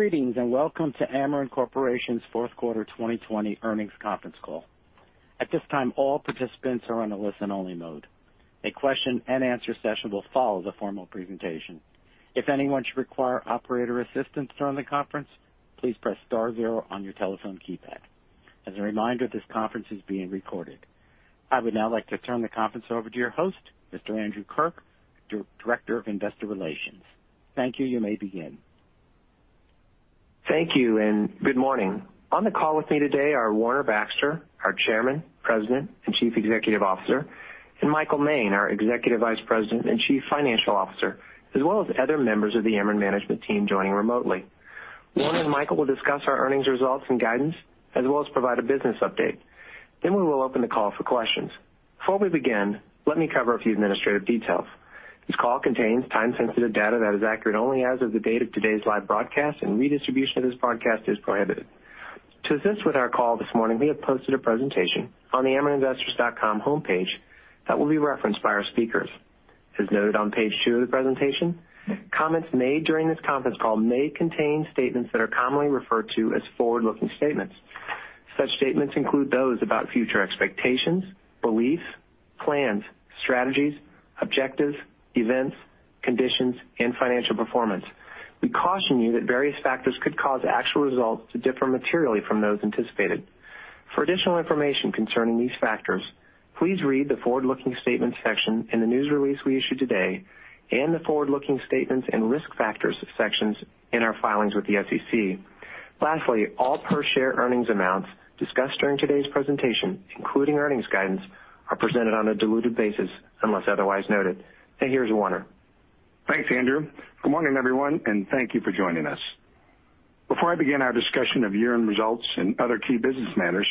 Greetings, and welcome to Ameren Corporation's fourth quarter 2020 earnings conference call. At this time, all participants are on a listen-only mode. A question-and-answer session will follow the formal presentation. If anyone should require operator assistance during the conference, please press star zero on your telephone keypad. As a reminder, this conference is being recorded. I would now like to turn the conference over to your host, Mr. Andrew Kirk, Director of Investor Relations. Thank you. You may begin. Thank you, good morning. On the call with me today are Warner Baxter, our Chairman, President, and Chief Executive Officer, and Michael Moehn, our Executive Vice President and Chief Financial Officer, as well as other members of the Ameren management team joining remotely. Warner and Michael will discuss our earnings results and guidance, as well as provide a business update. We will open the call for questions. Before we begin, let me cover a few administrative details. This call contains time-sensitive data that is accurate only as of the date of today's live broadcast, and redistribution of this broadcast is prohibited. To assist with our call this morning, we have posted a presentation on the amereninvestors.com homepage that will be referenced by our speakers. As noted on page two of the presentation, comments made during this conference call may contain statements that are commonly referred to as forward-looking statements. Such statements include those about future expectations, beliefs, plans, strategies, objectives, events, conditions, and financial performance. We caution you that various factors could cause actual results to differ materially from those anticipated. For additional information concerning these factors, please read the Forward-Looking Statements section in the news release we issued today and the Forward-Looking Statements and Risk Factors sections in our filings with the SEC. Lastly, all per-share earnings amounts discussed during today's presentation, including earnings guidance, are presented on a diluted basis unless otherwise noted. Here's Warner. Thanks, Andrew. Good morning, everyone, and thank you for joining us. Before I begin our discussion of year-end results and other key business matters,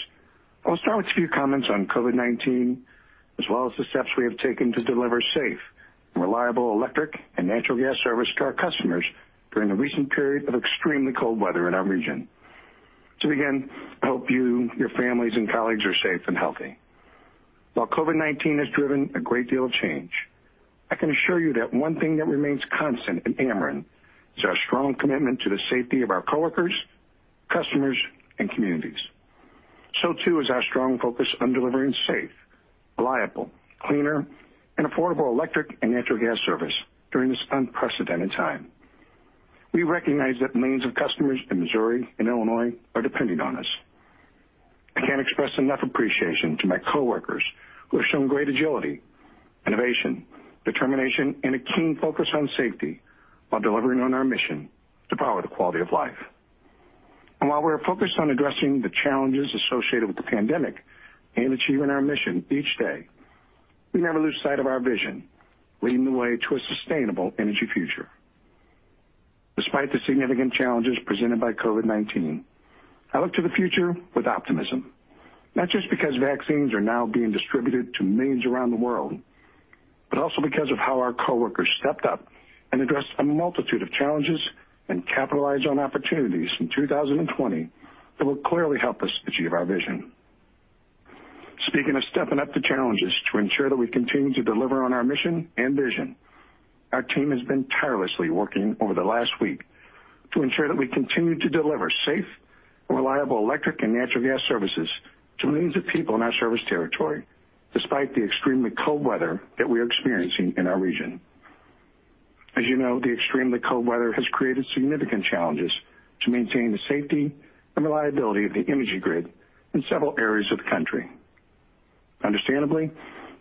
I will start with a few comments on COVID-19, as well as the steps we have taken to deliver safe and reliable electric and natural gas service to our customers during the recent period of extremely cold weather in our region. To begin, I hope you, your families, and colleagues are safe and healthy. While COVID-19 has driven a great deal of change, I can assure you that one thing that remains constant at Ameren is our strong commitment to the safety of our coworkers, customers, and communities. So too is our strong focus on delivering safe, reliable, cleaner, and affordable electric and natural gas service during this unprecedented time. We recognize that millions of customers in Missouri and Illinois are depending on us. I can't express enough appreciation to my coworkers, who have shown great agility, innovation, determination, and a keen focus on safety while delivering on our mission to power the quality of life. While we are focused on addressing the challenges associated with the pandemic and achieving our mission each day, we never lose sight of our vision: leading the way to a sustainable energy future. Despite the significant challenges presented by COVID-19, I look to the future with optimism, not just because vaccines are now being distributed to millions around the world, but also because of how our coworkers stepped up and addressed a multitude of challenges and capitalized on opportunities in 2020 that will clearly help us achieve our vision. Speaking of stepping up to challenges to ensure that we continue to deliver on our mission and vision, our team has been tirelessly working over the last week to ensure that we continue to deliver safe and reliable electric and natural gas services to millions of people in our service territory, despite the extremely cold weather that we are experiencing in our region. As you know, the extremely cold weather has created significant challenges to maintain the safety and reliability of the energy grid in several areas of the country. Understandably,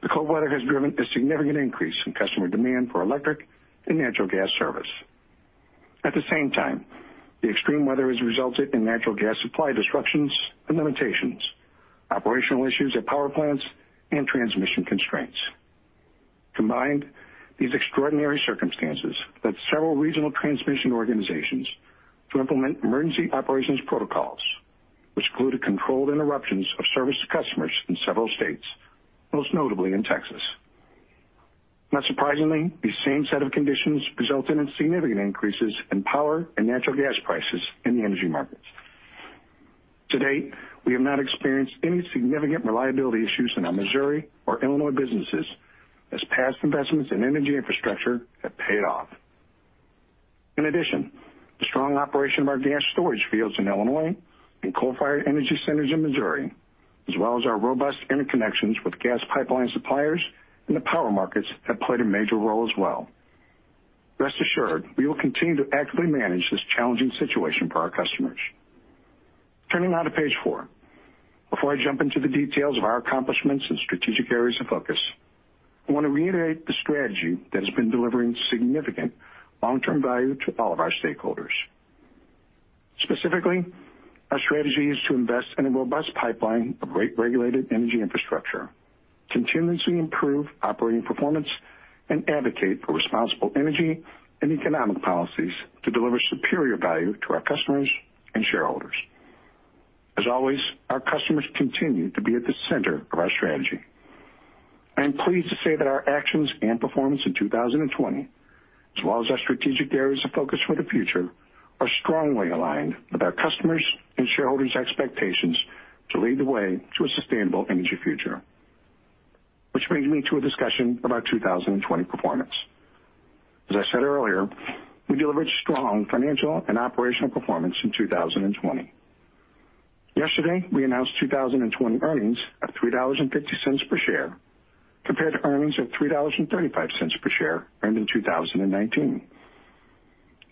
the cold weather has driven a significant increase in customer demand for electric and natural gas service. At the same time, the extreme weather has resulted in natural gas supply disruptions and limitations, operational issues at power plants, and transmission constraints. Combined, these extraordinary circumstances led several regional transmission organizations to implement emergency operations protocols, which included controlled interruptions of service to customers in several states, most notably in Texas. Not surprisingly, these same set of conditions resulted in significant increases in power and natural gas prices in the energy markets. To date, we have not experienced any significant reliability issues in our Missouri or Illinois businesses, as past investments in energy infrastructure have paid off. In addition, the strong operation of our gas storage fields in Illinois and coal-fired energy centers in Missouri, as well as our robust interconnections with gas pipeline suppliers and the power markets, have played a major role as well. Rest assured, we will continue to actively manage this challenging situation for our customers. Turning now to page four. Before I jump into the details of our accomplishments and strategic areas of focus, I want to reiterate the strategy that has been delivering significant long-term value to all of our stakeholders. Specifically, our strategy is to invest in a robust pipeline of regulated energy infrastructure, continuously improve operating performance, and advocate for responsible energy and economic policies to deliver superior value to our customers and shareholders. As always, our customers continue to be at the center of our strategy. I am pleased to say that our actions and performance in 2020, as well as our strategic areas of focus for the future, are strongly aligned with our customers' and shareholders' expectations to lead the way to a sustainable energy future. Which brings me to a discussion about 2020 performance. As I said earlier, we delivered strong financial and operational performance in 2020. Yesterday, we announced 2020 earnings of $3.50 per share compared to earnings of $3.35 per share earned in 2019.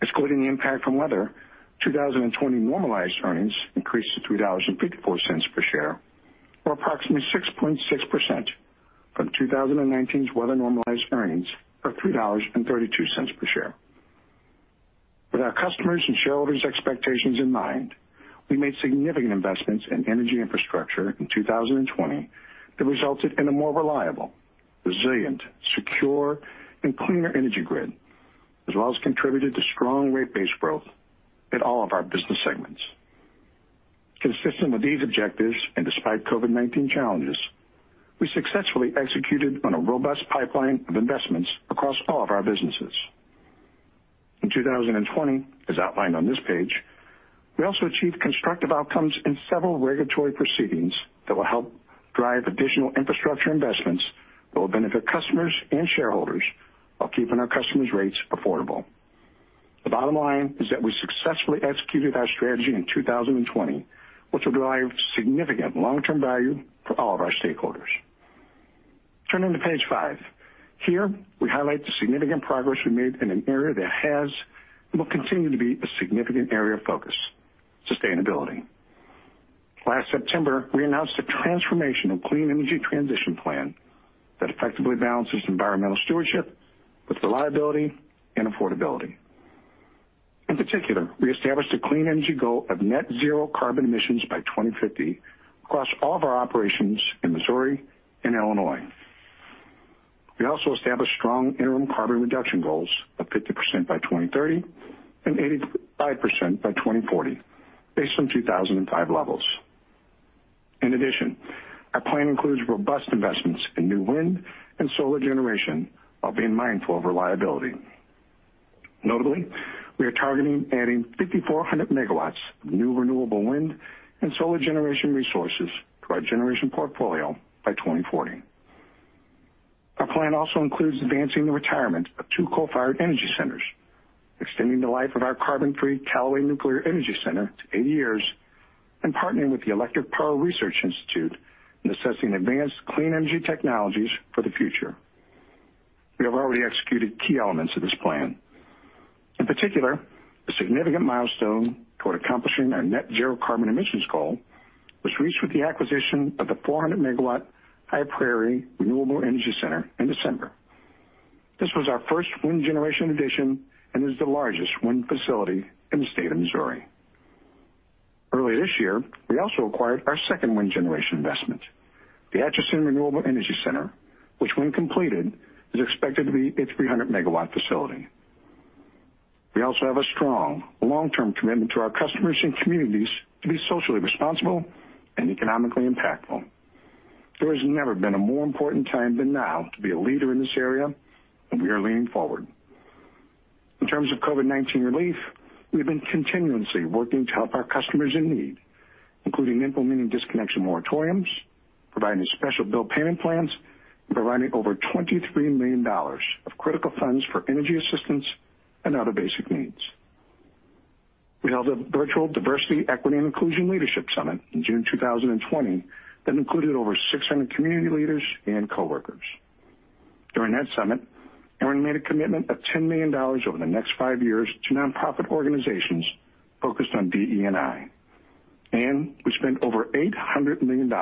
Excluding the impact from weather, 2020 normalized earnings increased to $3.54 per share or approximately 6.6% from 2019's weather-normalized earnings of $3.32 per share. With our customers' and shareholders' expectations in mind, we made significant investments in energy infrastructure in 2020 that resulted in a more reliable, resilient, secure, and cleaner energy grid, as well as contributed to strong rate base growth in all of our business segments. Consistent with these objectives, and despite COVID-19 challenges, we successfully executed on a robust pipeline of investments across all of our businesses. In 2020, as outlined on this page, we also achieved constructive outcomes in several regulatory proceedings that will help drive additional infrastructure investments that will benefit customers and shareholders while keeping our customers' rates affordable. The bottom line is that we successfully executed our strategy in 2020, which will drive significant long-term value for all of our stakeholders. Turning to page five. Here, we highlight the significant progress we made in an area that has and will continue to be a significant area of focus, sustainability. Last September, we announced a transformational clean energy transition plan that effectively balances environmental stewardship with reliability and affordability. In particular, we established a clean energy goal of net-zero carbon emissions by 2050 across all of our operations in Missouri and Illinois. We also established strong interim carbon reduction goals of 50% by 2030 and 85% by 2040 based on 2005 levels. In addition, our plan includes robust investments in new wind and solar generation while being mindful of reliability. Notably, we are targeting adding 5,400 MW of new renewable wind and solar generation resources to our generation portfolio by 2040. Our plan also includes advancing the retirement of two coal-fired energy centers, extending the life of our carbon-free Callaway Nuclear Energy Center to 80 years, and partnering with the Electric Power Research Institute in assessing advanced clean energy technologies for the future. We have already executed key elements of this plan. In particular, a significant milestone toward accomplishing our net-zero carbon emissions goal was reached with the acquisition of the 400 MW High Prairie Renewable Energy Center in December. This was our first wind generation addition and is the largest wind facility in the state of Missouri. Early this year, we also acquired our second wind generation investment, the Atchison Renewable Energy Center, which when completed, is expected to be a 300 MW facility. We also have a strong long-term commitment to our customers and communities to be socially responsible and economically impactful. There has never been a more important time than now to be a leader in this area, and we are leaning forward. In terms of COVID-19 relief, we've been continuously working to help our customers in need, including implementing disconnection moratoriums, providing special bill payment plans, and providing over $23 million of critical funds for energy assistance and other basic needs. We held a virtual Diversity, Equity, and Inclusion Leadership Summit in June 2020 that included over 600 community leaders and coworkers. During that summit, Ameren made a commitment of $10 million over the next five years to nonprofit organizations focused on DE&I. We spent over $800 million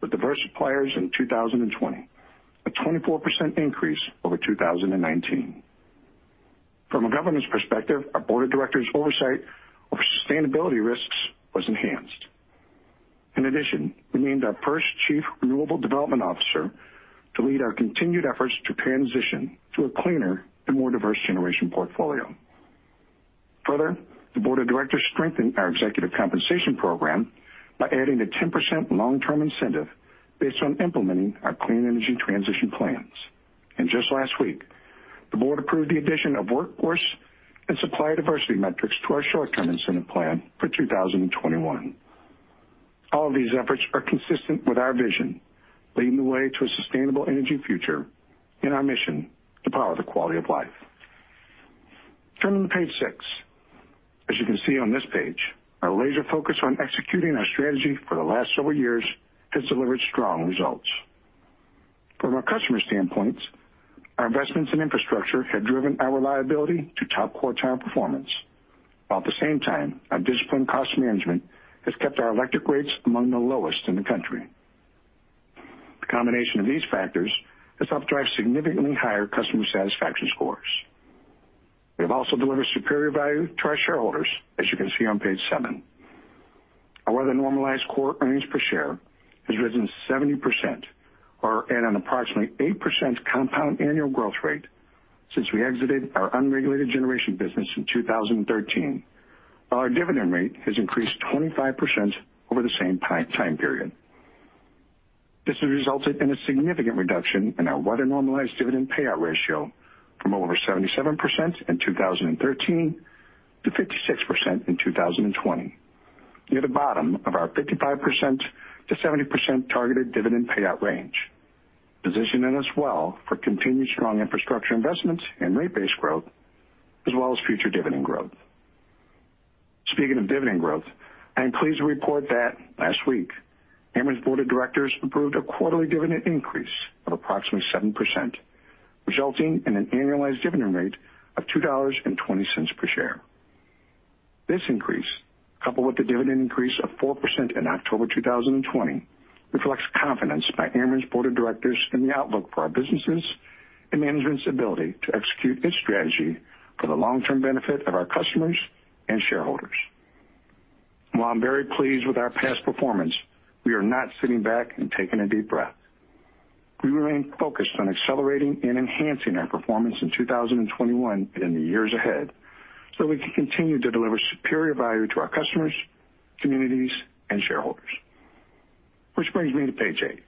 with diverse suppliers in 2020, a 24% increase over 2019. From a governance perspective, our board of directors' oversight over sustainability risks was enhanced. In addition, we named our first Chief Renewable Development Officer to lead our continued efforts to transition to a cleaner and more diverse generation portfolio. Further, the board of directors strengthened our executive compensation program by adding a 10% long-term incentive based on implementing our clean energy transition plans. Just last week, the board approved the addition of workforce and supplier diversity metrics to our short-term incentive plan for 2021. All of these efforts are consistent with our vision, leading the way to a sustainable energy future, and our mission to power the quality of life. Turning to page six. As you can see on this page, our laser focus on executing our strategy for the last several years has delivered strong results. From our customer standpoints, our investments in infrastructure have driven our reliability to top quartile performance. While at the same time, our disciplined cost management has kept our electric rates among the lowest in the country. The combination of these factors has helped drive significantly higher customer satisfaction scores. We have also delivered superior value to our shareholders, as you can see on page seven. Our weather-normalized core earnings per share has risen 70%, or at an approximately 8% compound annual growth rate since we exited our unregulated generation business in 2013, while our dividend rate has increased 25% over the same time period. This has resulted in a significant reduction in our weather-normalized dividend payout ratio from over 77% in 2013 to 56% in 2020, near the bottom of our 55%-70% targeted dividend payout range, positioning us well for continued strong infrastructure investments and rate base growth, as well as future dividend growth. Speaking of dividend growth, I am pleased to report that last week, Ameren's board of directors approved a quarterly dividend increase of approximately 7%, resulting in an annualized dividend rate of $2.20 per share. This increase, coupled with a dividend increase of 4% in October 2020, reflects confidence by Ameren's board of directors in the outlook for our businesses and management's ability to execute its strategy for the long-term benefit of our customers and shareholders. While I'm very pleased with our past performance, we are not sitting back and taking a deep breath. We remain focused on accelerating and enhancing our performance in 2021 and in the years ahead so we can continue to deliver superior value to our customers, communities, and shareholders. Which brings me to page eight.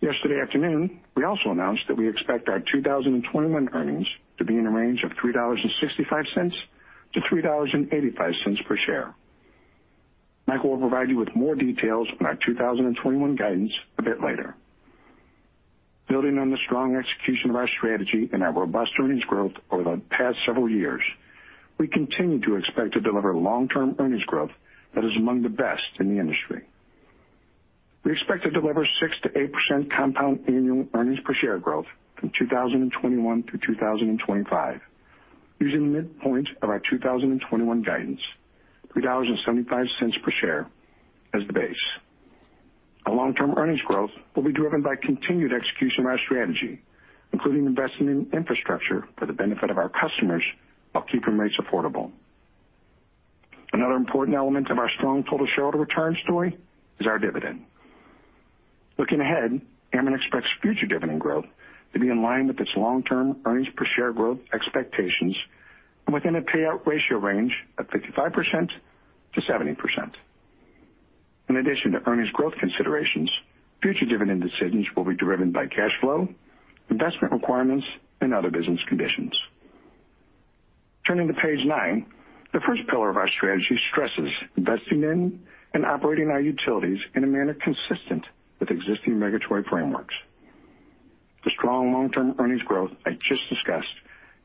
Yesterday afternoon, we also announced that we expect our 2021 earnings to be in the range of $3.65-$3.85 per share. Michael will provide you with more details on our 2021 guidance a bit later. Building on the strong execution of our strategy and our robust earnings growth over the past several years, we continue to expect to deliver long-term earnings growth that is among the best in the industry. We expect to deliver 6%-8% compound annual earnings per share growth from 2021 to 2025, using the midpoint of our 2021 guidance, $3.75 per share, as the base. Our long-term earnings growth will be driven by continued execution of our strategy, including investing in infrastructure for the benefit of our customers while keeping rates affordable. Another important element of our strong total shareholder return story is our dividend. Looking ahead, Ameren expects future dividend growth to be in line with its long-term earnings per share growth expectations and within a payout ratio range of 55%-70%. In addition to earnings growth considerations, future dividend decisions will be driven by cash flow, investment requirements, and other business conditions. Turning to page nine, the first pillar of our strategy stresses investing in and operating our utilities in a manner consistent with existing regulatory frameworks. The strong long-term earnings growth I just discussed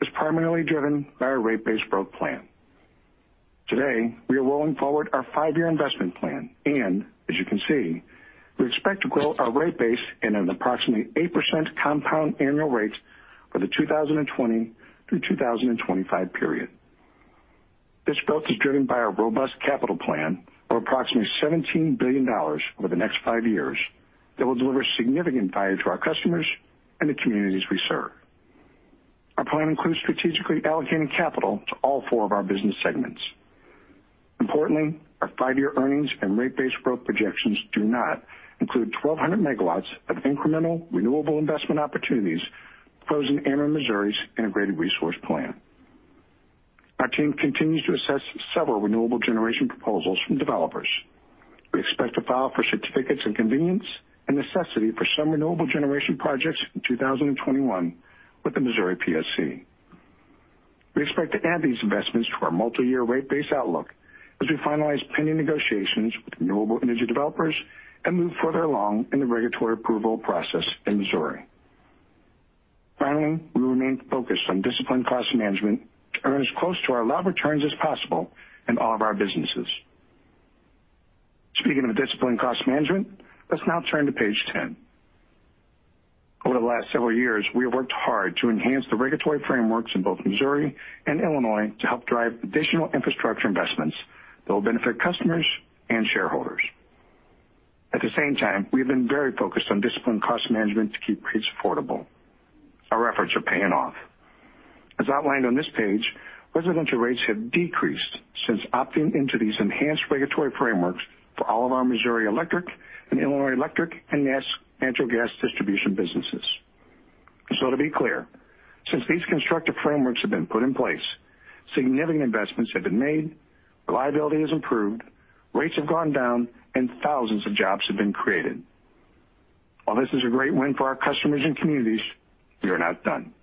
is primarily driven by our rate-based growth plan. Today, we are rolling forward our five-year investment plan, and as you can see, we expect to grow our rate base at an approximately 8% compound annual rate for the 2020 through 2025 period. This growth is driven by our robust capital plan of approximately $17 billion over the next five years that will deliver significant value to our customers and the communities we serve. Our plan includes strategically allocating capital to all four of our business segments. Importantly, our five-year earnings and rate base growth projections do not include 1,200 MW of incremental renewable investment opportunities proposed in Ameren Missouri's Integrated Resource Plan. Our team continues to assess several renewable generation proposals from developers. We expect to file for Certificates of Convenience and Necessity for some renewable generation projects in 2021 with the Missouri PSC. We expect to add these investments to our multi-year rate base outlook as we finalize pending negotiations with renewable energy developers and move further along in the regulatory approval process in Missouri. Finally, we remain focused on disciplined cost management to earn as close to our allowed returns as possible in all of our businesses. Speaking of disciplined cost management, let's now turn to page 10. Over the last several years, we have worked hard to enhance the regulatory frameworks in both Missouri and Illinois to help drive additional infrastructure investments that will benefit customers and shareholders. At the same time, we have been very focused on disciplined cost management to keep rates affordable. Our efforts are paying off. As outlined on this page, residential rates have decreased since opting into these enhanced regulatory frameworks for all of our Missouri electric and Illinois electric and natural gas distribution businesses. To be clear, since these constructive frameworks have been put in place, significant investments have been made, reliability has improved, rates have gone down, and thousands of jobs have been created. While this is a great win for our customers and communities, we are not done.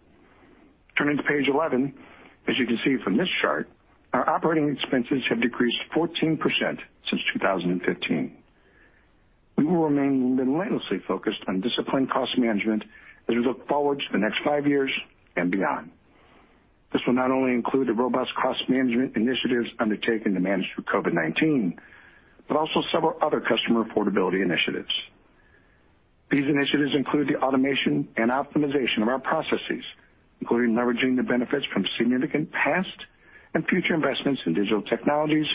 Turning to page 11, as you can see from this chart, our operating expenses have decreased 14% since 2015. We will remain relentlessly focused on disciplined cost management as we look forward to the next five years and beyond. This will not only include the robust cost management initiatives undertaken to manage through COVID-19, but also several other customer affordability initiatives. These initiatives include the automation and optimization of our processes, including leveraging the benefits from significant past and future investments in digital technologies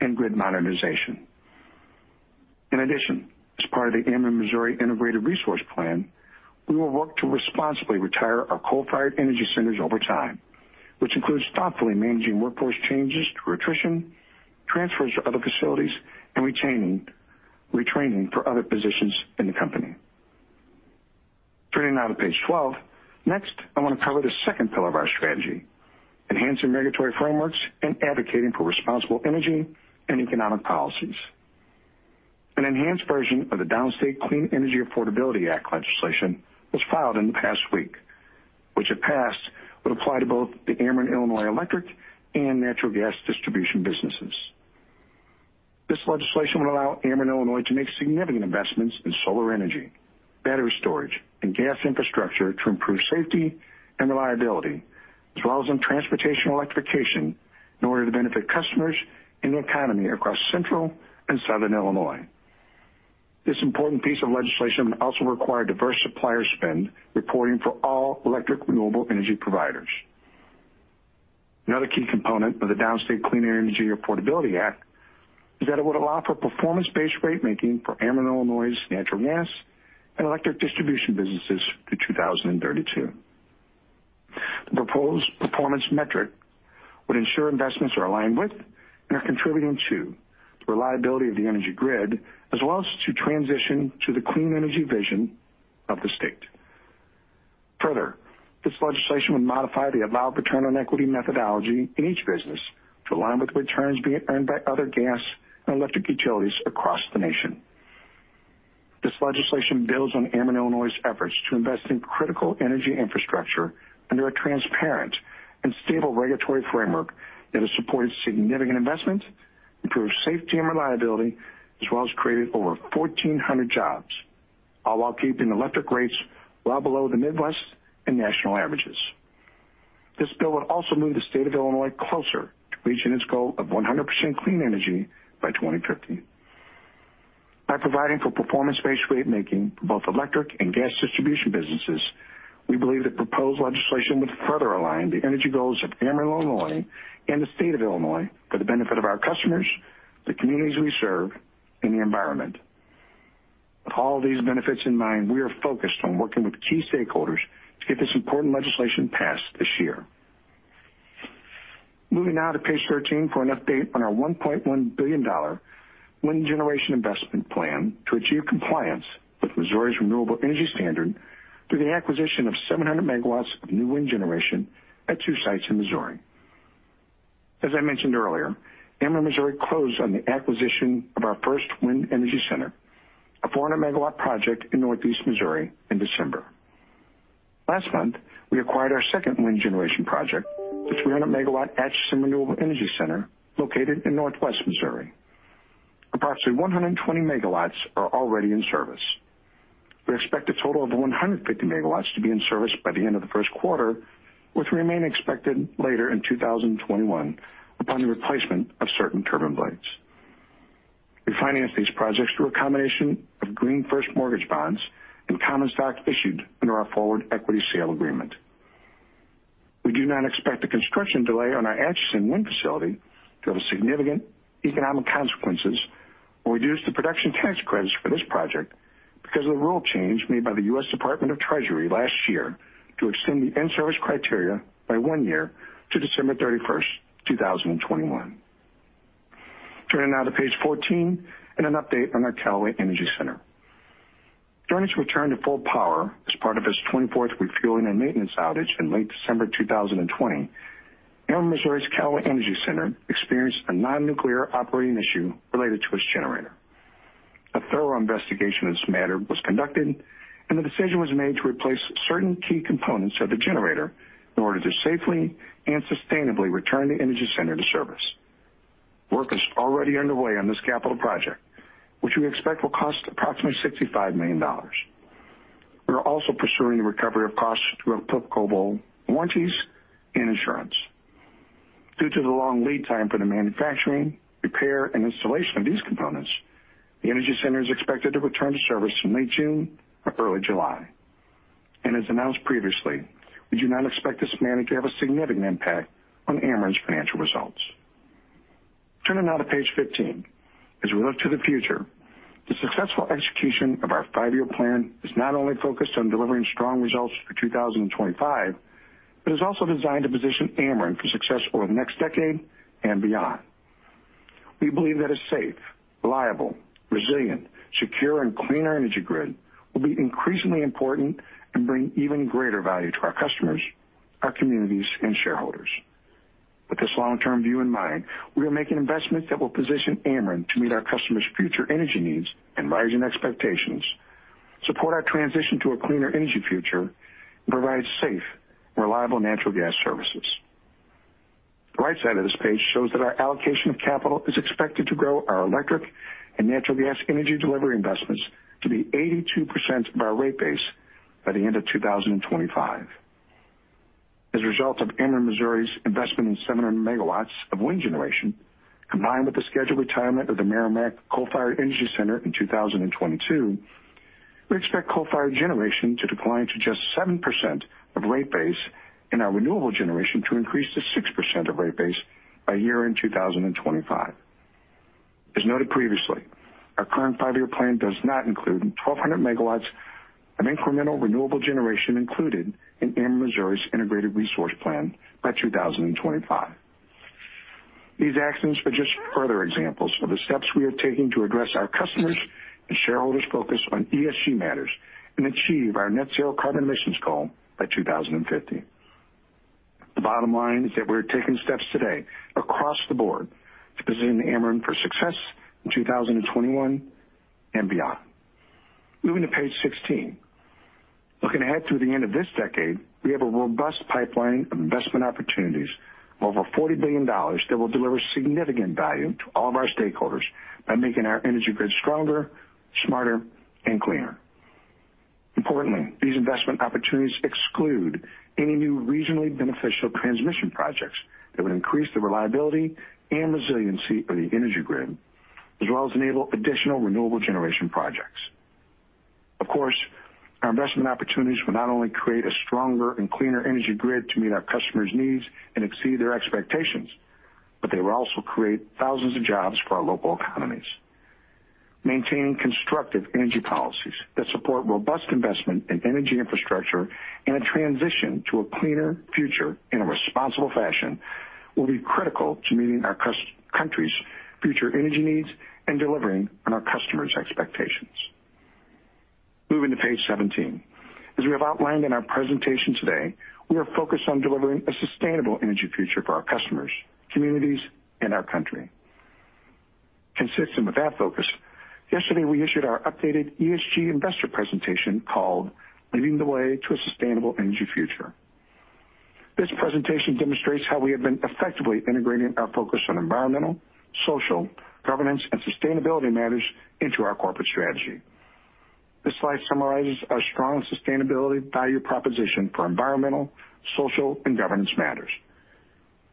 and grid modernization. In addition, as part of the Ameren Missouri Integrated Resource Plan, we will work to responsibly retire our coal-fired energy centers over time, which includes thoughtfully managing workforce changes through attrition, transfers to other facilities, and retraining for other positions in the company. Turning now to page 12. Next, I want to cover the second pillar of our strategy, enhancing regulatory frameworks and advocating for responsible energy and economic policies. An enhanced version of the Downstate Clean Energy Affordability Act legislation was filed in the past week, which, if passed, would apply to both the Ameren Illinois electric and natural gas distribution businesses. This legislation would allow Ameren Illinois to make significant investments in solar energy, battery storage, and gas infrastructure to improve safety and reliability, as well as in transportation electrification in order to benefit customers and the economy across central and southern Illinois. This important piece of legislation would also require diverse supplier spend reporting for all electric renewable energy providers. Another key component of the Clean and Reliable Grid Affordability Act is that it would allow for performance-based ratemaking for Ameren Illinois' natural gas and electric distribution businesses through 2032. The proposed performance metric would ensure investments are aligned with and are contributing to the reliability of the energy grid, as well as to transition to the clean energy vision of the state. Further, this legislation would modify the allowed return on equity methodology in each business to align with returns being earned by other gas and electric utilities across the nation. This legislation builds on Ameren Illinois' efforts to invest in critical energy infrastructure under a transparent and stable regulatory framework that has supported significant investment, improved safety and reliability, as well as created over 1,400 jobs, all while keeping electric rates well below the Midwest and national averages. This bill would also move the state of Illinois closer to reaching its goal of 100% clean energy by 2050. By providing for performance-based ratemaking for both electric and gas distribution businesses, we believe the proposed legislation would further align the energy goals of Ameren Illinois and the state of Illinois for the benefit of our customers, the communities we serve, and the environment. With all these benefits in mind, we are focused on working with key stakeholders to get this important legislation passed this year. Moving now to page 13 for an update on our $1.1 billion wind generation investment plan to achieve compliance with Missouri's Renewable Energy Standard through the acquisition of 700 MW of new wind generation at two sites in Missouri. As I mentioned earlier, Ameren Missouri closed on the acquisition of our first wind energy center, a 400 MW project in Northeast Missouri, in December. Last month, we acquired our second wind generation project, the 300 MW Atchison Renewable Energy Center, located in Northwest Missouri. Approximately 120 MW are already in service. We expect a total of 150 MW to be in service by the end of the first quarter, with the remaining expected later in 2021 upon the replacement of certain turbine blades. We financed these projects through a combination of green first mortgage bonds and common stock issued under our forward equity sale agreement. We do not expect a construction delay on our Atchison wind facility to have significant economic consequences or reduce the production tax credits for this project because of the rule change made by the U.S. Department of the Treasury last year to extend the in-service criteria by one year to December 31st, 2021. Turning now to page 14 and an update on our Callaway Energy Center. During its return to full power as part of its 24th refueling and maintenance outage in late December 2020, Ameren Missouri's Callaway Energy Center experienced a non-nuclear operating issue related to its generator. A thorough investigation of this matter was conducted, and the decision was made to replace certain key components of the generator in order to safely and sustainably return the energy center to service. Work is already underway on this capital project, which we expect will cost approximately $65 million. We are also pursuing the recovery of costs through applicable warranties and insurance. Due to the long lead time for the manufacturing, repair, and installation of these components, the energy center is expected to return to service in late June or early July. As announced previously, we do not expect this matter to have a significant impact on Ameren's financial results. Turning now to page 15. As we look to the future, the successful execution of our five-year plan is not only focused on delivering strong results for 2025 but is also designed to position Ameren for success over the next decade and beyond. We believe that a safe, reliable, resilient, secure, and cleaner energy grid will be increasingly important and bring even greater value to our customers, our communities, and shareholders. With this long-term view in mind, we are making investments that will position Ameren to meet our customers' future energy needs and rising expectations, support our transition to a cleaner energy future, and provide safe and reliable natural gas services. The right side of this page shows that our allocation of capital is expected to grow our electric and natural gas energy delivery investments to be 82% of our rate base by the end of 2025. As a result of Ameren Missouri's investment in 700 MW of wind generation, combined with the scheduled retirement of the Meramec Coal-Fired Energy Center in 2022, we expect coal-fired generation to decline to just 7% of rate base and our renewable generation to increase to 6% of rate base by year-end 2025. As noted previously, our current five-year plan does not include the 1,200 MW of incremental renewable generation included in Ameren Missouri Integrated Resource Plan by 2025. These actions are just further examples of the steps we are taking to address our customers' and shareholders' focus on ESG matters and achieve our net-zero carbon emissions goal by 2050. The bottom line is that we're taking steps today across the board to position Ameren for success in 2021 and beyond. Moving to page 16. Looking ahead to the end of this decade, we have a robust pipeline of investment opportunities of over $40 billion that will deliver significant value to all of our stakeholders by making our energy grid stronger, smarter, and cleaner. Importantly, these investment opportunities exclude any new regionally beneficial transmission projects that would increase the reliability and resiliency of the energy grid, as well as enable additional renewable generation projects. Of course, our investment opportunities will not only create a stronger and cleaner energy grid to meet our customers' needs and exceed their expectations, but they will also create thousands of jobs for our local economies. Maintaining constructive energy policies that support robust investment in energy infrastructure and a transition to a cleaner future in a responsible fashion will be critical to meeting our country's future energy needs and delivering on our customers' expectations. Moving to page 17. As we have outlined in our presentation today, we are focused on delivering a sustainable energy future for our customers, communities, and our country. Consistent with that focus, yesterday, we issued our updated ESG investor presentation called "Leading the way to a sustainable energy future". `This presentation demonstrates how we have been effectively integrating our focus on environmental, social, governance, and sustainability matters into our corporate strategy. This slide summarizes our strong sustainability value proposition for environmental, social, and governance matters.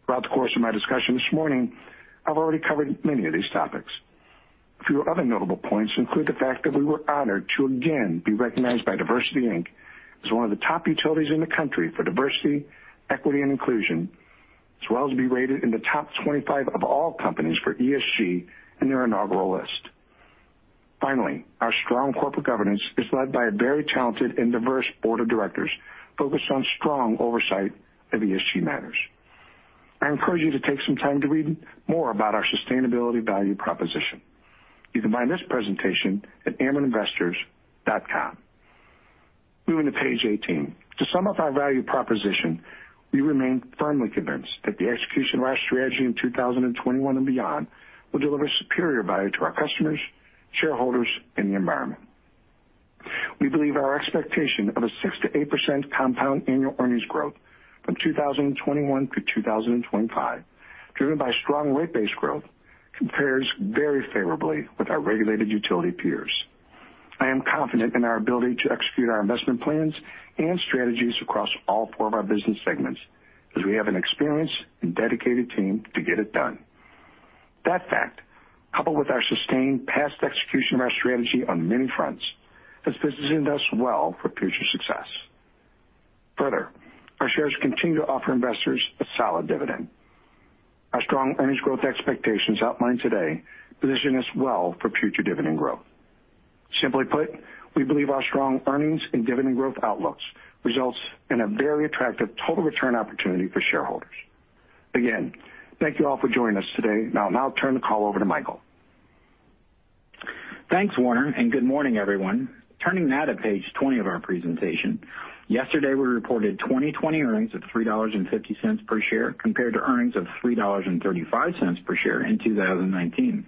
Throughout the course of my discussion this morning, I've already covered many of these topics. A few other notable points include the fact that we were honored to again be recognized by DiversityInc as one of the top utilities in the country for diversity, equity, and inclusion, as well as be rated in the Top 25 of all companies for ESG in their inaugural list. Finally, our strong corporate governance is led by a very talented and diverse board of directors focused on strong oversight of ESG matters. I encourage you to take some time to read more about our sustainability value proposition. You can find this presentation at amereninvestors.com. Moving to page 18. To sum up our value proposition, we remain firmly convinced that the execution of our strategy in 2021 and beyond will deliver superior value to our customers, shareholders, and the environment. We believe our expectation of a 6%-8% compound annual earnings growth from 2021 to 2025, driven by strong rate base growth, compares very favorably with our regulated utility peers. I am confident in our ability to execute our investment plans and strategies across all four of our business segments, as we have an experienced and dedicated team to get it done. That fact, coupled with our sustained past execution of our strategy on many fronts, has positioned us well for future success. Further, our shares continue to offer investors a solid dividend. Our strong earnings growth expectations outlined today position us well for future dividend growth. Simply put, we believe our strong earnings and dividend growth outlooks results in a very attractive total return opportunity for shareholders. Thank you all for joining us today. I'll now turn the call over to Michael. Thanks, Warner, and good morning, everyone. Turning now to page 20 of our presentation. Yesterday, we reported 2020 earnings of $3.50 per share compared to earnings of $3.35 per share in 2019.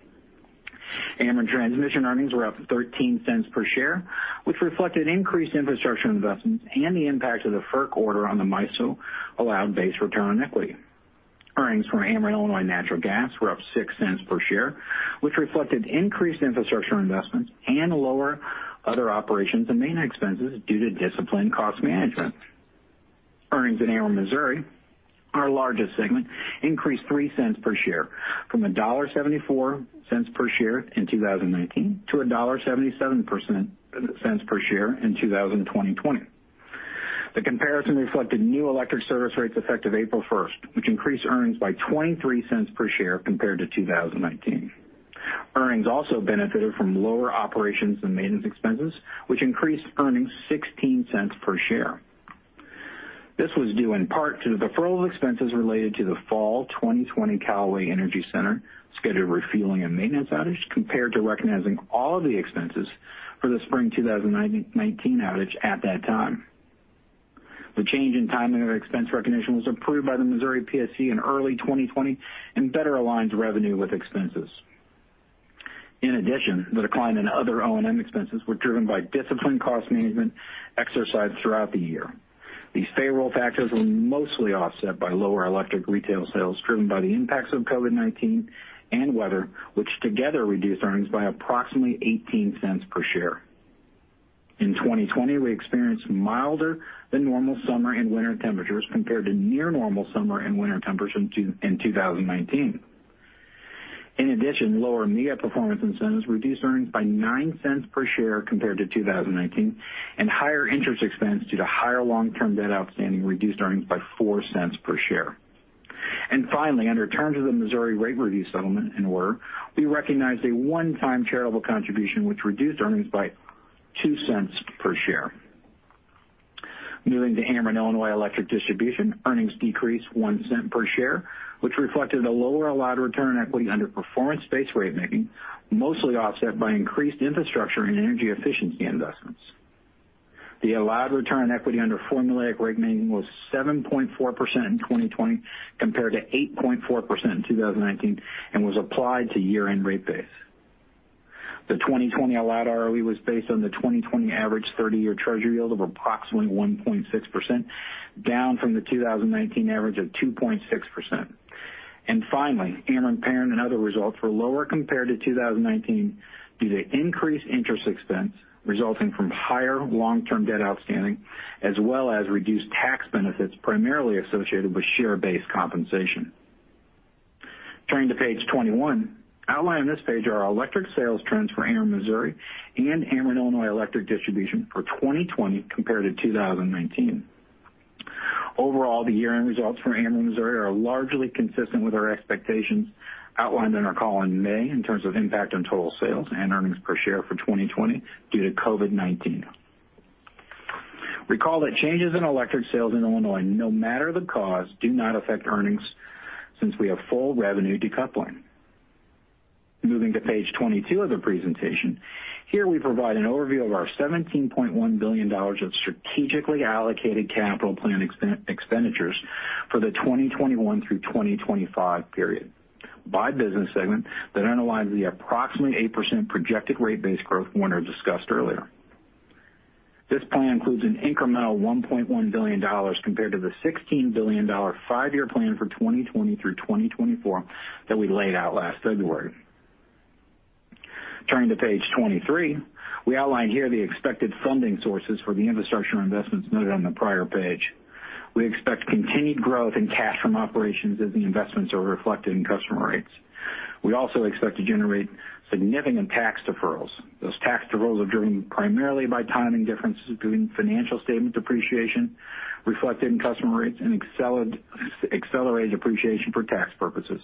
Ameren Transmission earnings were up to $0.13 per share, which reflected increased infrastructure investments and the impact of the FERC order on the MISO allowed base return on equity. Earnings from Ameren Illinois Natural Gas were up $0.06 per share, which reflected increased infrastructure investments and lower other operations and maintenance expenses due to disciplined cost management. Earnings in Ameren Missouri, our largest segment, increased $0.03 per share from $1.74 per share in 2019 to $1.77 per share in 2020. The comparison reflected new electric service rates effective April 1st, which increased earnings by $0.23 per share compared to 2019. Earnings also benefited from lower operations and maintenance expenses, which increased earnings $0.16 per share. This was due in part to the deferral of expenses related to the fall 2020 Callaway Energy Center scheduled refueling and maintenance outage, compared to recognizing all of the expenses for the Spring 2019 outage at that time. The change in timing of expense recognition was approved by the Missouri PSC in early 2020 and better aligns revenue with expenses. The decline in other O&M expenses were driven by disciplined cost management exercised throughout the year. These favorable factors were mostly offset by lower electric retail sales, driven by the impacts of COVID-19 and weather, which together reduced earnings by approximately $0.18 per share. In 2020, we experienced milder than normal summer and winter temperatures compared to near normal summer and winter temperatures in 2019. In addition, lower MEEIA performance incentives reduced earnings by $0.09 per share compared to 2019, and higher interest expense due to higher long-term debt outstanding reduced earnings by $0.04 per share. Finally, under terms of the Missouri rate review settlement and order, we recognized a one-time charitable contribution, which reduced earnings by $0.02 per share. Moving to Ameren Illinois Electric Distribution, earnings decreased $0.01 per share, which reflected a lower allowed return on equity under performance-based ratemaking, mostly offset by increased infrastructure and energy efficiency investments. The allowed return on equity under formulaic ratemaking was 7.4% in 2020 compared to 8.4% in 2019, and was applied to year-end rate base. The 2020 allowed ROE was based on the 2020 average 30-year Treasury yield of approximately 1.6%, down from the 2019 average of 2.6%. Finally, Ameren parent and other results were lower compared to 2019 due to increased interest expense resulting from higher long-term debt outstanding, as well as reduced tax benefits primarily associated with share-based compensation. Turning to page 21. Outlined on this page are our electric sales trends for Ameren Missouri and Ameren Illinois Electric Distribution for 2020 compared to 2019. Overall, the year-end results for Ameren Missouri are largely consistent with our expectations outlined in our call in May in terms of impact on total sales and earnings per share for 2020 due to COVID-19. Recall that changes in electric sales in Illinois, no matter the cause, do not affect earnings since we have full revenue decoupling. Moving to page 22 of the presentation. Here we provide an overview of our $17.1 billion of strategically allocated capital plan expenditures for the 2021 through 2025 period by business segment that underlies the approximately 8% projected rate base growth Warner discussed earlier. This plan includes an incremental $1.1 billion compared to the $16 billion five-year plan for 2020 through 2024 that we laid out last February. Turning to page 23. We outlined here the expected funding sources for the infrastructure investments noted on the prior page. We expect continued growth in cash from operations as the investments are reflected in customer rates. We also expect to generate significant tax deferrals. Those tax deferrals are driven primarily by timing differences between financial statement depreciation reflected in customer rates and accelerated depreciation for tax purposes.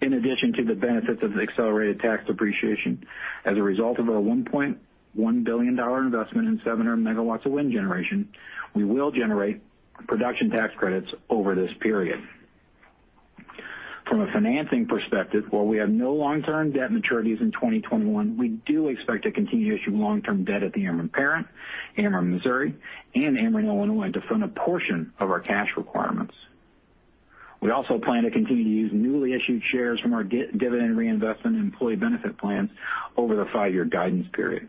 In addition to the benefits of accelerated tax depreciation, as a result of our $1.1 billion investment in 700 MW of wind generation, we will generate production tax credits over this period. From a financing perspective, while we have no long-term debt maturities in 2021, we do expect to continue to issue long-term debt at the Ameren parent, Ameren Missouri, and Ameren Illinois to fund a portion of our cash requirements. We also plan to continue to use newly issued shares from our dividend reinvestment employee benefit plans over the five-year guidance period.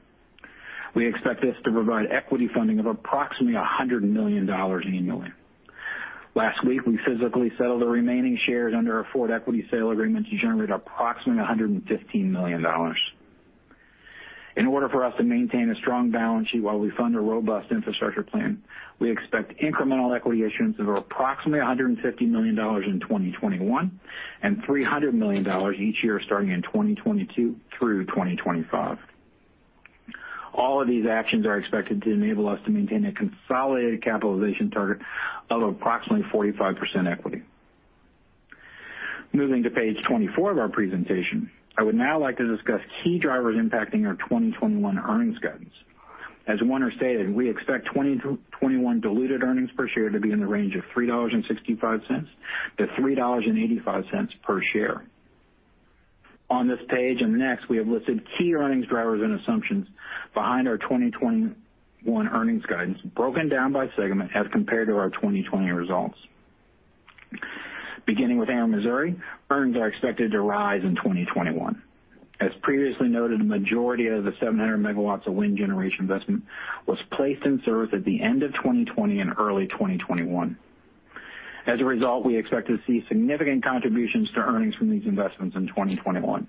We expect this to provide equity funding of approximately $100 million annually. Last week, we physically settled the remaining shares under our forward equity sale agreement to generate approximately $115 million. In order for us to maintain a strong balance sheet while we fund a robust infrastructure plan, we expect incremental equity issuance of approximately $150 million in 2021 and $300 million each year starting in 2022 through 2025. All of these actions are expected to enable us to maintain a consolidated capitalization target of approximately 45% equity. Moving to page 24 of our presentation. I would now like to discuss key drivers impacting our 2021 earnings guidance. As Warner stated, we expect 2021 diluted earnings per share to be in the range of $3.65-$3.85 per share. On this page and next, we have listed key earnings drivers and assumptions behind our 2021 earnings guidance, broken down by segment as compared to our 2020 results. Beginning with Ameren Missouri, earnings are expected to rise in 2021. As previously noted, a majority of the 700 MW of wind generation investment was placed in service at the end of 2020 and early 2021. As a result, we expect to see significant contributions to earnings from these investments in 2021.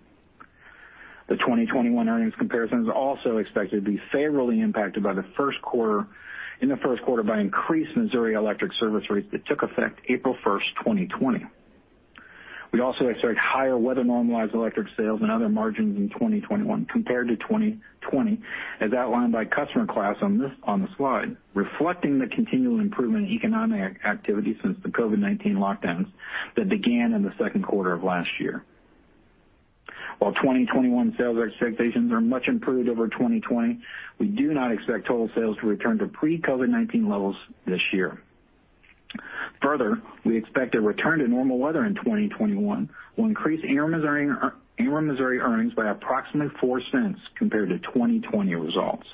The 2021 earnings comparison is also expected to be favorably impacted in the first quarter by increased Missouri electric service rates that took effect April 1st, 2020. We also expect higher weather-normalized electric sales and other margins in 2021 compared to 2020, as outlined by customer class on the slide, reflecting the continual improvement in economic activity since the COVID-19 lockdowns that began in the second quarter of last year. While 2021 sales expectations are much improved over 2020, we do not expect total sales to return to pre-COVID-19 levels this year. We expect a return to normal weather in 2021 will increase Ameren Missouri earnings by approximately $0.04 compared to 2020 results.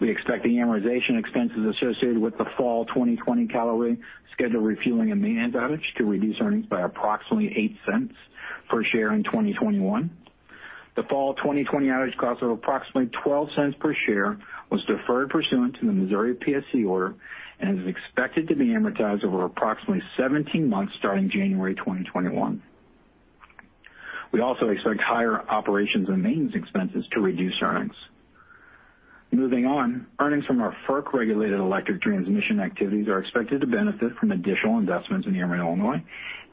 We expect the amortization expenses associated with the fall 2020 Callaway scheduled refueling and maintenance outage to reduce earnings by approximately $0.08 per share in 2021. The fall 2020 outage cost of approximately $0.12 per share was deferred pursuant to the Missouri PSC order and is expected to be amortized over approximately 17 months starting January 2021. We also expect higher operations and maintenance expenses to reduce earnings. Earnings from our FERC-regulated electric transmission activities are expected to benefit from additional investments in Ameren Illinois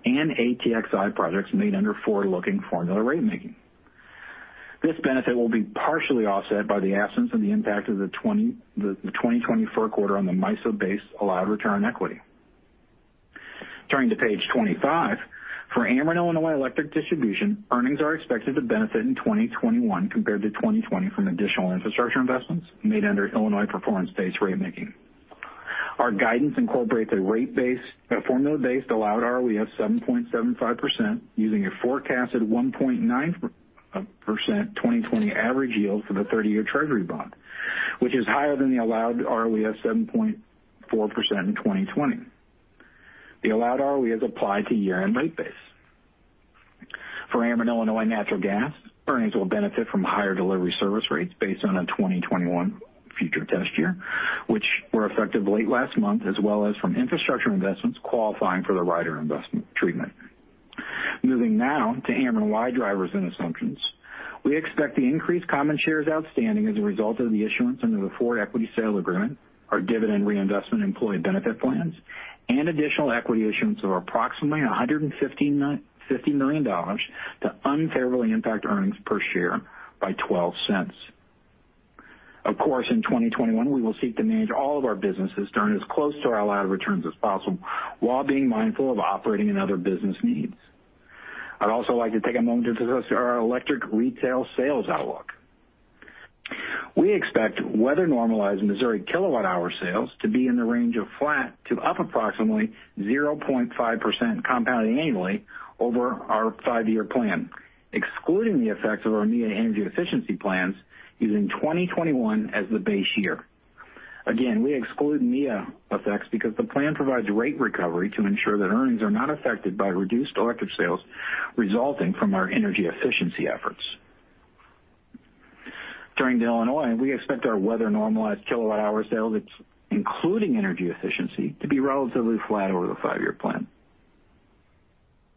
and ATXI projects made under forward-looking formula ratemaking. This benefit will be partially offset by the absence and the impact of the 2020 FERC order on the MISO base allowed return on equity. Page 25. For Ameren Illinois Electric Distribution, earnings are expected to benefit in 2021 compared to 2020 from additional infrastructure investments made under Illinois performance-based ratemaking. Our guidance incorporates a formula-based allowed ROE of 7.75%, using a forecasted 1.9% 2020 average yield for the 30-year Treasury bond, which is higher than the allowed ROE of 7.4% in 2020. The allowed ROE is applied to year-end rate base. For Ameren Illinois Natural Gas, earnings will benefit from higher delivery service rates based on a 2021 future test year, which were effective late last month, as well as from infrastructure investments qualifying for the rider investment treatment. Moving now to Ameren-wide drivers and assumptions. We expect the increased common shares outstanding as a result of the issuance under the forward equity sale agreement, our dividend reinvestment employee benefit plans, and additional equity issuance of approximately $150 million to unfavorably impact earnings per share by $0.12. Of course, in 2021, we will seek to manage all of our businesses to earn as close to our allowed returns as possible while being mindful of operating and other business needs. I'd also like to take a moment to discuss our electric retail sales outlook. We expect weather-normalized Missouri kilowatt-hour sales to be in the range of flat to up approximately 0.5% compounding annually over our five-year plan, excluding the effects of our MEEIA energy efficiency plans, using 2021 as the base year. Again, we exclude MEEIA effects because the plan provides rate recovery to ensure that earnings are not affected by reduced electric sales resulting from our energy efficiency efforts. Turning to Illinois, we expect our weather-normalized kilowatt-hour sales, including energy efficiency, to be relatively flat over the five-year plan.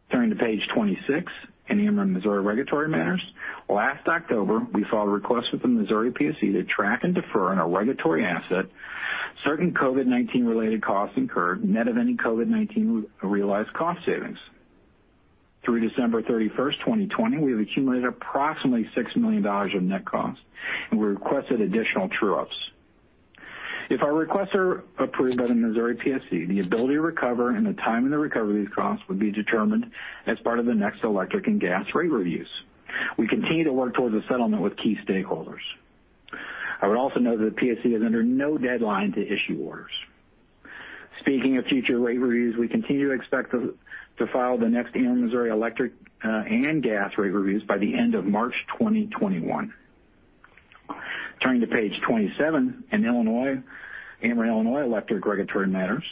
Turning to page 26 in Ameren Missouri regulatory matters, last October, we filed a request with the Missouri PSC to track and defer in our regulatory asset, certain COVID-19-related costs incurred net of any COVID-19 realized cost savings. Through December 31st, 2020, we have accumulated approximately $6 million of net cost. We requested additional true-ups. If our requests are approved by the Missouri PSC, the ability to recover and the timing of the recovery of these costs would be determined as part of the next electric and gas rate reviews. We continue to work towards a settlement with key stakeholders. I would also note that the PSC is under no deadline to issue orders. Speaking of future rate reviews, we continue to expect to file the next Ameren Missouri Electric and Gas rate reviews by the end of March 2021. Turning to page 27 in Ameren Illinois Electric regulatory matters,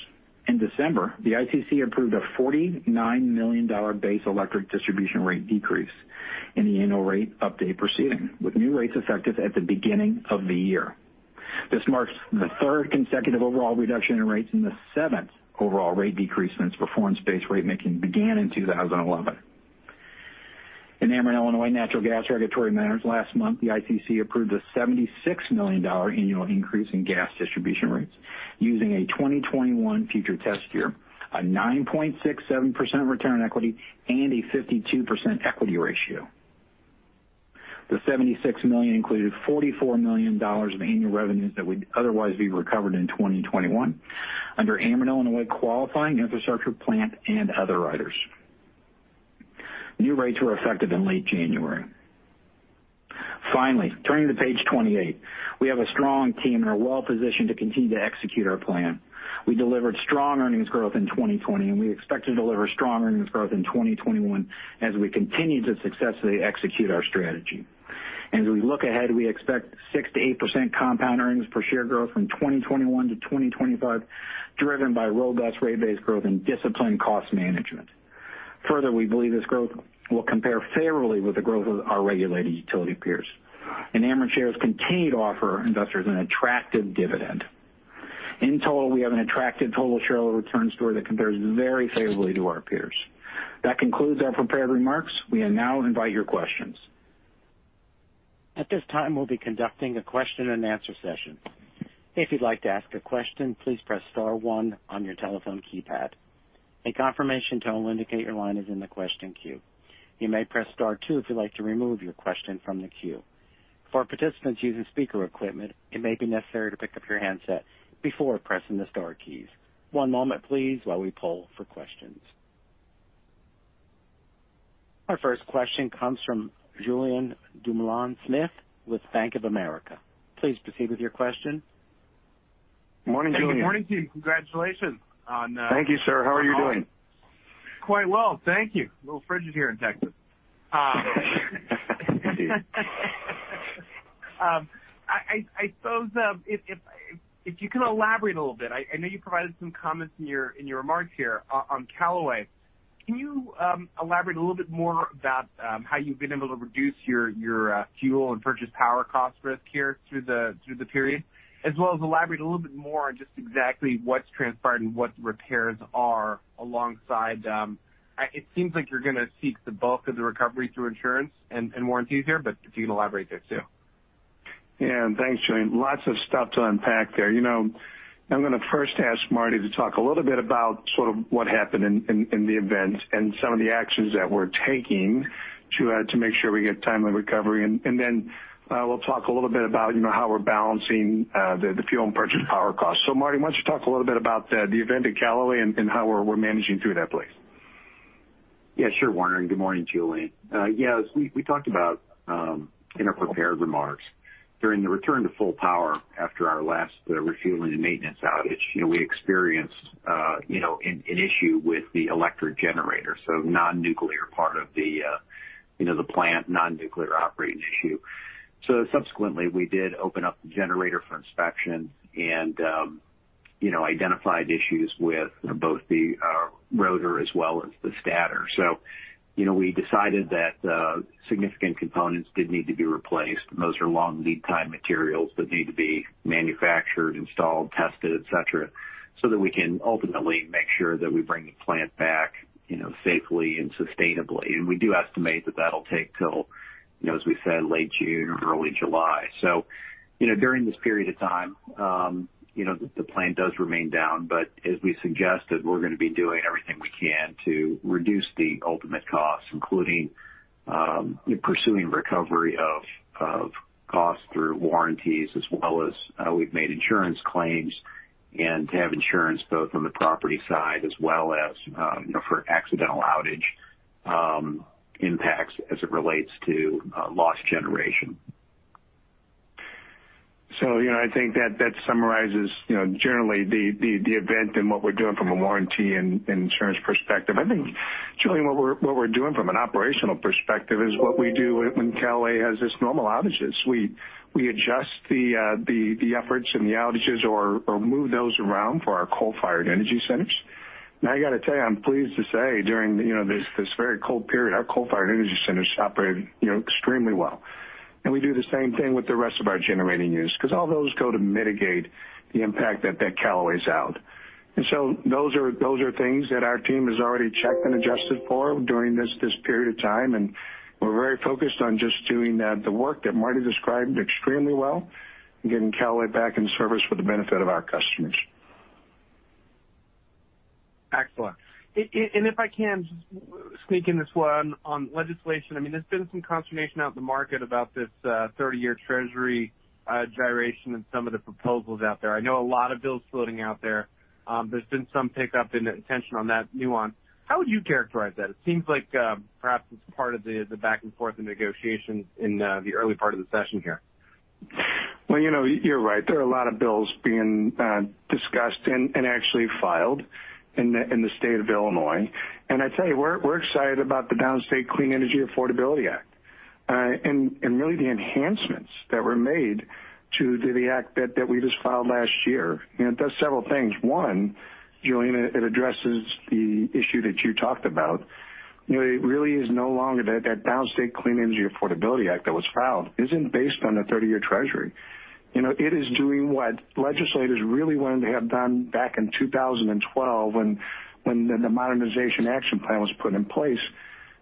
in December, the ICC approved a $49 million base electric distribution rate decrease in the annual rate update proceeding, with new rates effective at the beginning of the year. This marks the third consecutive overall reduction in rates and the seventh overall rate decrease since performance-based ratemaking began in 2011. In Ameren Illinois Natural Gas regulatory matters last month, the ICC approved a $76 million annual increase in gas distribution rates using a 2021 future test year, a 9.67% return on equity, and a 52% equity ratio. The $76 million included $44 million of annual revenues that would otherwise be recovered in 2021 under Ameren Illinois Qualifying Infrastructure Plant and other riders. New rates were effective in late January. Turning to page 28. We have a strong team and are well-positioned to continue to execute our plan. We delivered strong earnings growth in 2020, and we expect to deliver strong earnings growth in 2021 as we continue to successfully execute our strategy. As we look ahead, we expect 6%-8% compound earnings per share growth from 2021 to 2025, driven by robust rate base growth and disciplined cost management. We believe this growth will compare favorably with the growth of our regulated utility peers, and Ameren shares continue to offer investors an attractive dividend. In total, we have an attractive total shareholder return story that compares very favorably to our peers. That concludes our prepared remarks. We now invite your questions. At this time, we'll be conducting a question-and-answer session. If you'd like to ask a question, please press star one on your telephone keypad. A confirmation tone will indicate your line is in the question queue. You may press star two if you'd like to remove your question from the queue. For participants using speaker equipment, it may be necessary to pick up your handset before pressing the star keys. One moment, please, while we poll for questions. Our first question comes from Julien Dumoulin-Smith with Bank of America. Please proceed with your question. Morning, Julien. Good morning to you. Thank you, sir. How are you doing? Quite well, thank you. A little frigid here in Texas. Indeed. If you can elaborate a little bit, I know you provided some comments in your remarks here on Callaway. Can you elaborate a little bit more about how you've been able to reduce your fuel and purchase power cost risk here through the period, as well as elaborate a little bit more on just exactly what's transpired and what the repairs are alongside. It seems like you're going to seek the bulk of the recovery through insurance and warranties here, but if you can elaborate there too? Thanks, Julien. Lots of stuff to unpack there. I'm going to first ask Marty to talk a little bit about sort of what happened in the event and some of the actions that we're taking to make sure we get timely recovery. We'll talk a little bit about how we're balancing the fuel and purchase power cost. Marty, why don't you talk a little bit about the event at Callaway and how we're managing through that, please? Sure, Warner. Good morning, Julien. Yeah, as we talked about in our prepared remarks, during the return to full power after our last refueling and maintenance outage, we experienced an issue with the electric generator, so non-nuclear part of the plant, non-nuclear operating issue. Subsequently, we did open up the generator for inspection and identified issues with both the rotor as well as the stator. We decided that significant components did need to be replaced. Those are long lead time materials that need to be manufactured, installed, tested, et cetera, so that we can ultimately make sure that we bring the plant back safely and sustainably. We do estimate that that'll take till, as we said, late June or early July. During this period of time, the plant does remain down, but as we suggested, we're going to be doing everything we can to reduce the ultimate costs, including pursuing recovery of costs through warranties as well as we've made insurance claims and have insurance both on the property side as well as for accidental outage impacts as it relates to lost generation. I think that summarizes generally the event and what we're doing from a warranty and insurance perspective. I think, Julien, what we're doing from an operational perspective is what we do when Callaway has its normal outages. We adjust the efforts and the outages or move those around for our coal-fired energy centers. Now, I got to tell you, I'm pleased to say during this very cold period, our coal-fired energy centers operated extremely well. We do the same thing with the rest of our generating units, because all those go to mitigate the impact that Callaway's out. Those are things that our team has already checked and adjusted for during this period of time, and we're very focused on just doing the work that Marty described extremely well and getting Callaway back in service for the benefit of our customers. Excellent. If I can sneak in this one on legislation. There's been some consternation out in the market about this 30-year Treasury gyration and some of the proposals out there. I know a lot of bills floating out there. There's been some pickup in attention on that nuance. How would you characterize that? It seems like perhaps it's part of the back and forth in negotiations in the early part of the session here. Well, you're right. There are a lot of bills being discussed and actually filed in the state of Illinois. I tell you, we're excited about the Downstate Clean Energy Affordability Act and really the enhancements that were made to the act that we just filed last year. It does several things. One, Julien, it addresses the issue that you talked about. It really is no longer that Downstate Clean Energy Affordability Act that was filed isn't based on a 30-year Treasury. It is doing what legislators really wanted to have done back in 2012 when the Modernization Action Plan was put in place.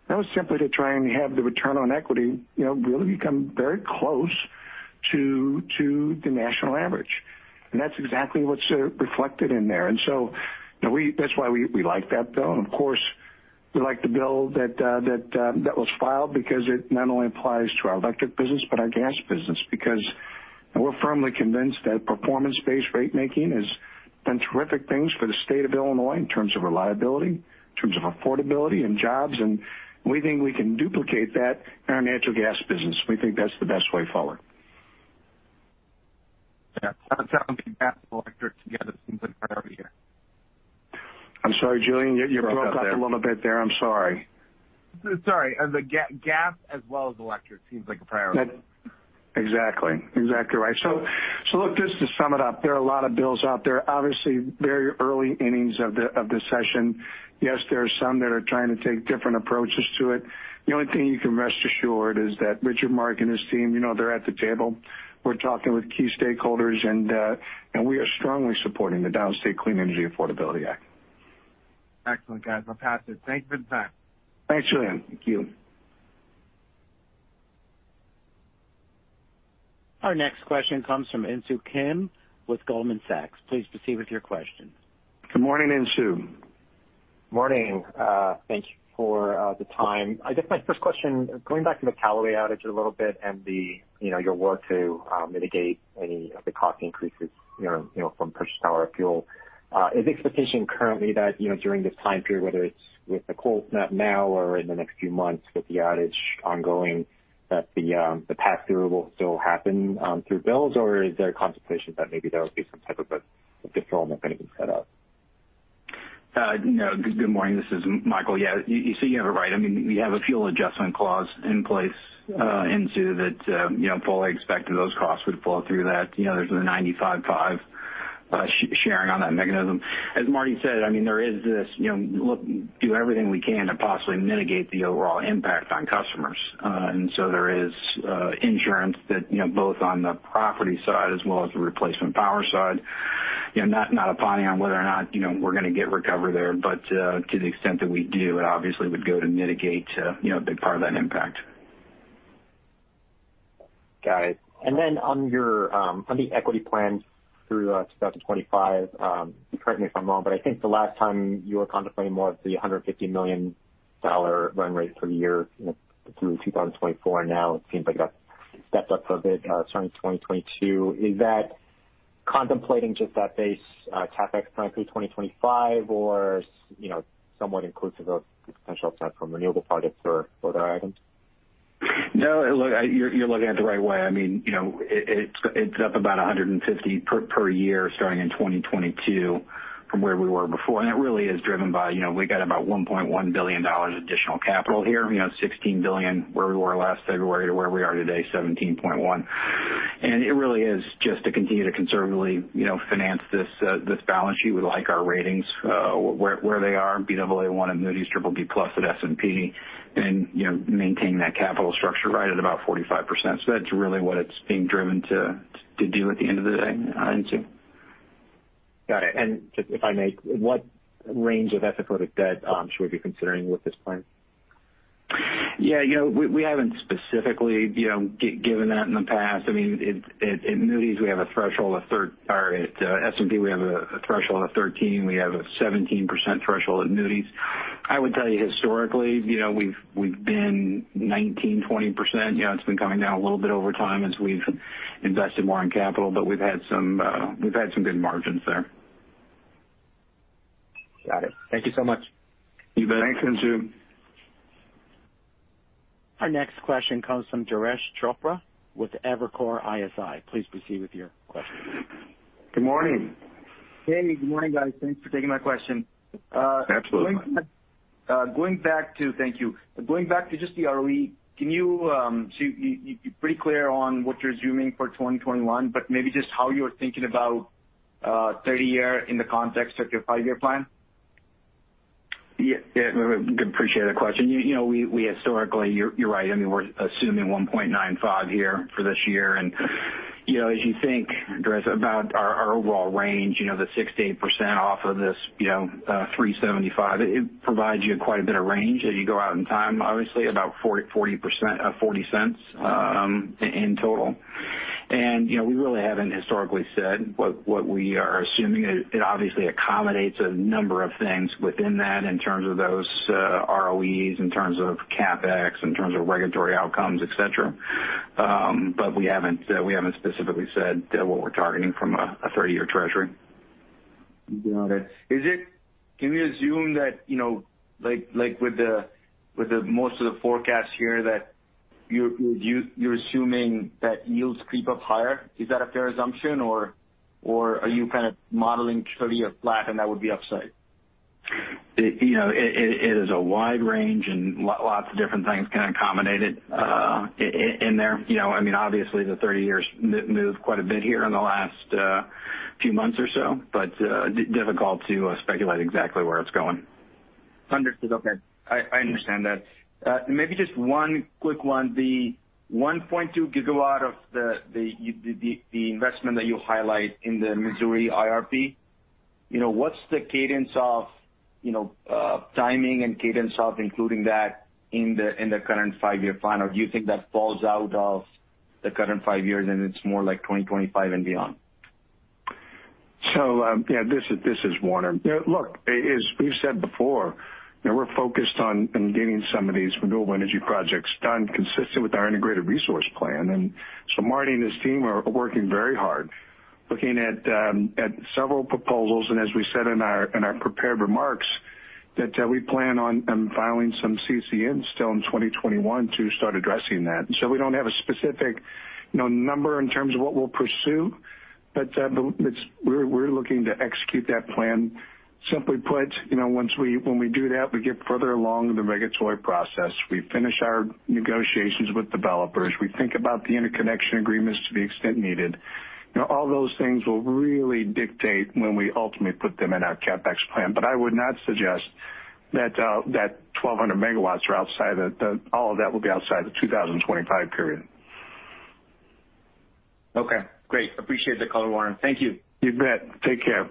That was simply to try and have the return on equity really become very close to the national average. That's exactly what's reflected in there. That's why we like that bill. Of course, we like the bill that was filed because it not only applies to our electric business but our gas business, because we're firmly convinced that performance-based ratemaking has done terrific things for the state of Illinois in terms of reliability, in terms of affordability and jobs. We think we can duplicate that in our natural gas business. We think that's the best way forward. Yeah. Sounds like gas and electric together seems a priority here. I'm sorry, Julien, you broke up a little bit there. I'm sorry. You broke up there. Sorry. The gas as well as electric seems like a priority. Exactly. Exactly right. Look, just to sum it up, there are a lot of bills out there. Obviously, very early innings of the session. Yes, there are some that are trying to take different approaches to it. The only thing you can rest assured is that Richard Mark and his team, they're at the table. We're talking with key stakeholders, and we are strongly supporting the Downstate Clean Energy Affordability Act. Excellent, guys. I'll pass it. Thank you for the time. Thanks, Julien. Thank you. Our next question comes from Insoo Kim with Goldman Sachs. Please proceed with your question. Good morning, Insoo. Morning. Thank you for the time. I guess my first question, going back to the Callaway outage a little bit and your work to mitigate any of the cost increases from purchased power or fuel. Is the expectation currently that during this time period, whether it's with the cold snap now or in the next few months with the outage ongoing, that the pass-through will still happen through bills, or is there a contemplation that maybe there will be some type of a deferral mechanism set up? Good morning. This is Michael. Yeah. You have it right. We have a fuel adjustment clause in place, Insoo, that fully expected those costs would flow through that. There's a 95/5 sharing on that mechanism. As Marty said, there is this do everything we can to possibly mitigate the overall impact on customers. There is insurance both on the property side as well as the replacement power side. Not opining on whether or not we're going to get recovery there, but to the extent that we do, it obviously would go to mitigate a big part of that impact. Got it. On the equity plans through 2025, correct me if I'm wrong, but I think the last time you were contemplating more of the $150 million run rate per year through 2024. Now it seems like it got stepped up a bit starting 2022. Is that contemplating just that base, CapEx plan through 2025 or somewhat inclusive of the potential upside from renewable projects or other items? No, look, you're looking at it the right way. It's up about $150 million per year starting in 2022 from where we were before, and it really is driven by, we got about $1.1 billion additional capital here, $16 billion, where we were last February to where we are today, $17.1 billion. It really is just to continue to conservatively finance this balance sheet. We like our ratings where they are, Baa1 at Moody's, BBB+ at S&P, and maintain that capital structure right at about 45%. That's really what it's being driven to do at the end of the day, Insoo. Got it. Just if I may, what range of episodic debt should we be considering with this plan? We haven't specifically given that in the past. At S&P we have a threshold of 13%. We have a 17% threshold at Moody's. I would tell you historically, we've been 19%, 20%. It's been coming down a little bit over time as we've invested more in capital, but we've had some good margins there. Got it. Thank you so much. You bet. Thanks, Insoo. Our next question comes from Durgesh Chopra with Evercore ISI. Please proceed with your question. Good morning. Hey, good morning, guys. Thanks for taking my question. Absolutely. Thank you. Going back to just the ROE, you're pretty clear on what you're assuming for 2021, but maybe just how you're thinking about 30-year in the context of your five-year plan? Yeah. Appreciate the question. Historically, you're right. We're assuming $1.95 here for this year. As you think, Durgesh, about our overall range, the 6%-8% off of this $3.75, it provides you quite a bit of range as you go out in time. Obviously, about $0.40 in total. We really haven't historically said what we are assuming. It obviously accommodates a number of things within that in terms of those ROEs, in terms of CapEx, in terms of regulatory outcomes, et cetera. We haven't specifically said what we're targeting from a 30-year Treasury. Got it. Can we assume that, like with the most of the forecasts here, that you're assuming that yields creep up higher? Is that a fair assumption, or are you kind of modeling 30-year flat and that would be upside? It is a wide range and lots of different things kind of accommodated in there. Obviously the 30 years moved quite a bit here in the last few months or so, but difficult to speculate exactly where it's going. Understood. Okay. I understand that. Maybe just one quick one. The 1.2 GW of the investment that you highlight in the Missouri IRP, what's the timing and cadence of including that in the current five-year plan? Or do you think that falls out of the current five years and it's more like 2025 and beyond? Yeah, this is Warner. Look, as we've said before, we're focused on getting some of these renewable energy projects done consistent with our Integrated Resource Plan. Marty and his team are working very hard looking at several proposals. As we said in our prepared remarks, that we plan on filing some CCNs still in 2021 to start addressing that. We don't have a specific number in terms of what we'll pursue, but we're looking to execute that plan. Simply put, when we do that, we get further along in the regulatory process. We finish our negotiations with developers. We think about the interconnection agreements to the extent needed. All those things will really dictate when we ultimately put them in our CapEx plan. I would not suggest that 1,200 MW or all of that will be outside the 2025 period. Okay, great. Appreciate the color, Warner. Thank you. You bet. Take care.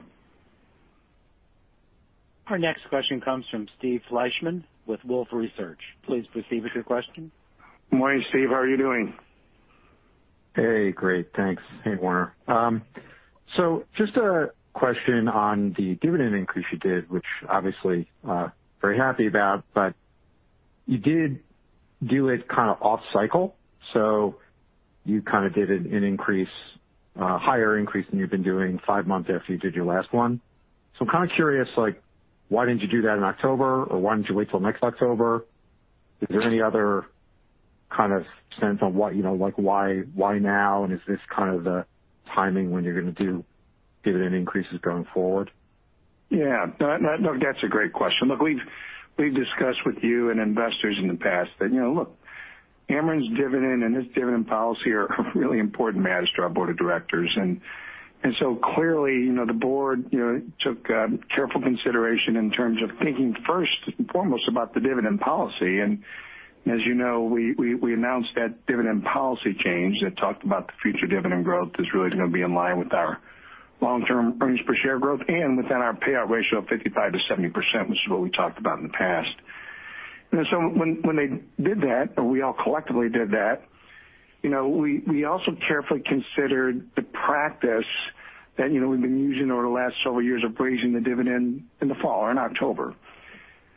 Our next question comes from Steve Fleishman with Wolfe Research. Please proceed with your question. Morning, Steve, how are you doing? Hey, great, thanks. Hey, Warner. Just a question on the dividend increase you did, which obviously, very happy about, but you did do it kind of off cycle. You kind of did a higher increase than you've been doing five months after you did your last one. I'm kind of curious, why didn't you do that in October? Why didn't you wait till next October? Is there any other kind of sense on why now, and is this kind of the timing when you're going to do dividend increases going forward? That's a great question. Look, we've discussed with you and investors in the past that Ameren's dividend and its dividend policy are a really important matter to our board of directors. Clearly, the board took careful consideration in terms of thinking first and foremost about the dividend policy. As you know, we announced that dividend policy change that talked about the future dividend growth is really going to be in line with our long-term earnings per share growth and within our payout ratio of 55%-70%, which is what we talked about in the past. When they did that, or we all collectively did that, we also carefully considered the practice that we've been using over the last several years of raising the dividend in the fall or in October.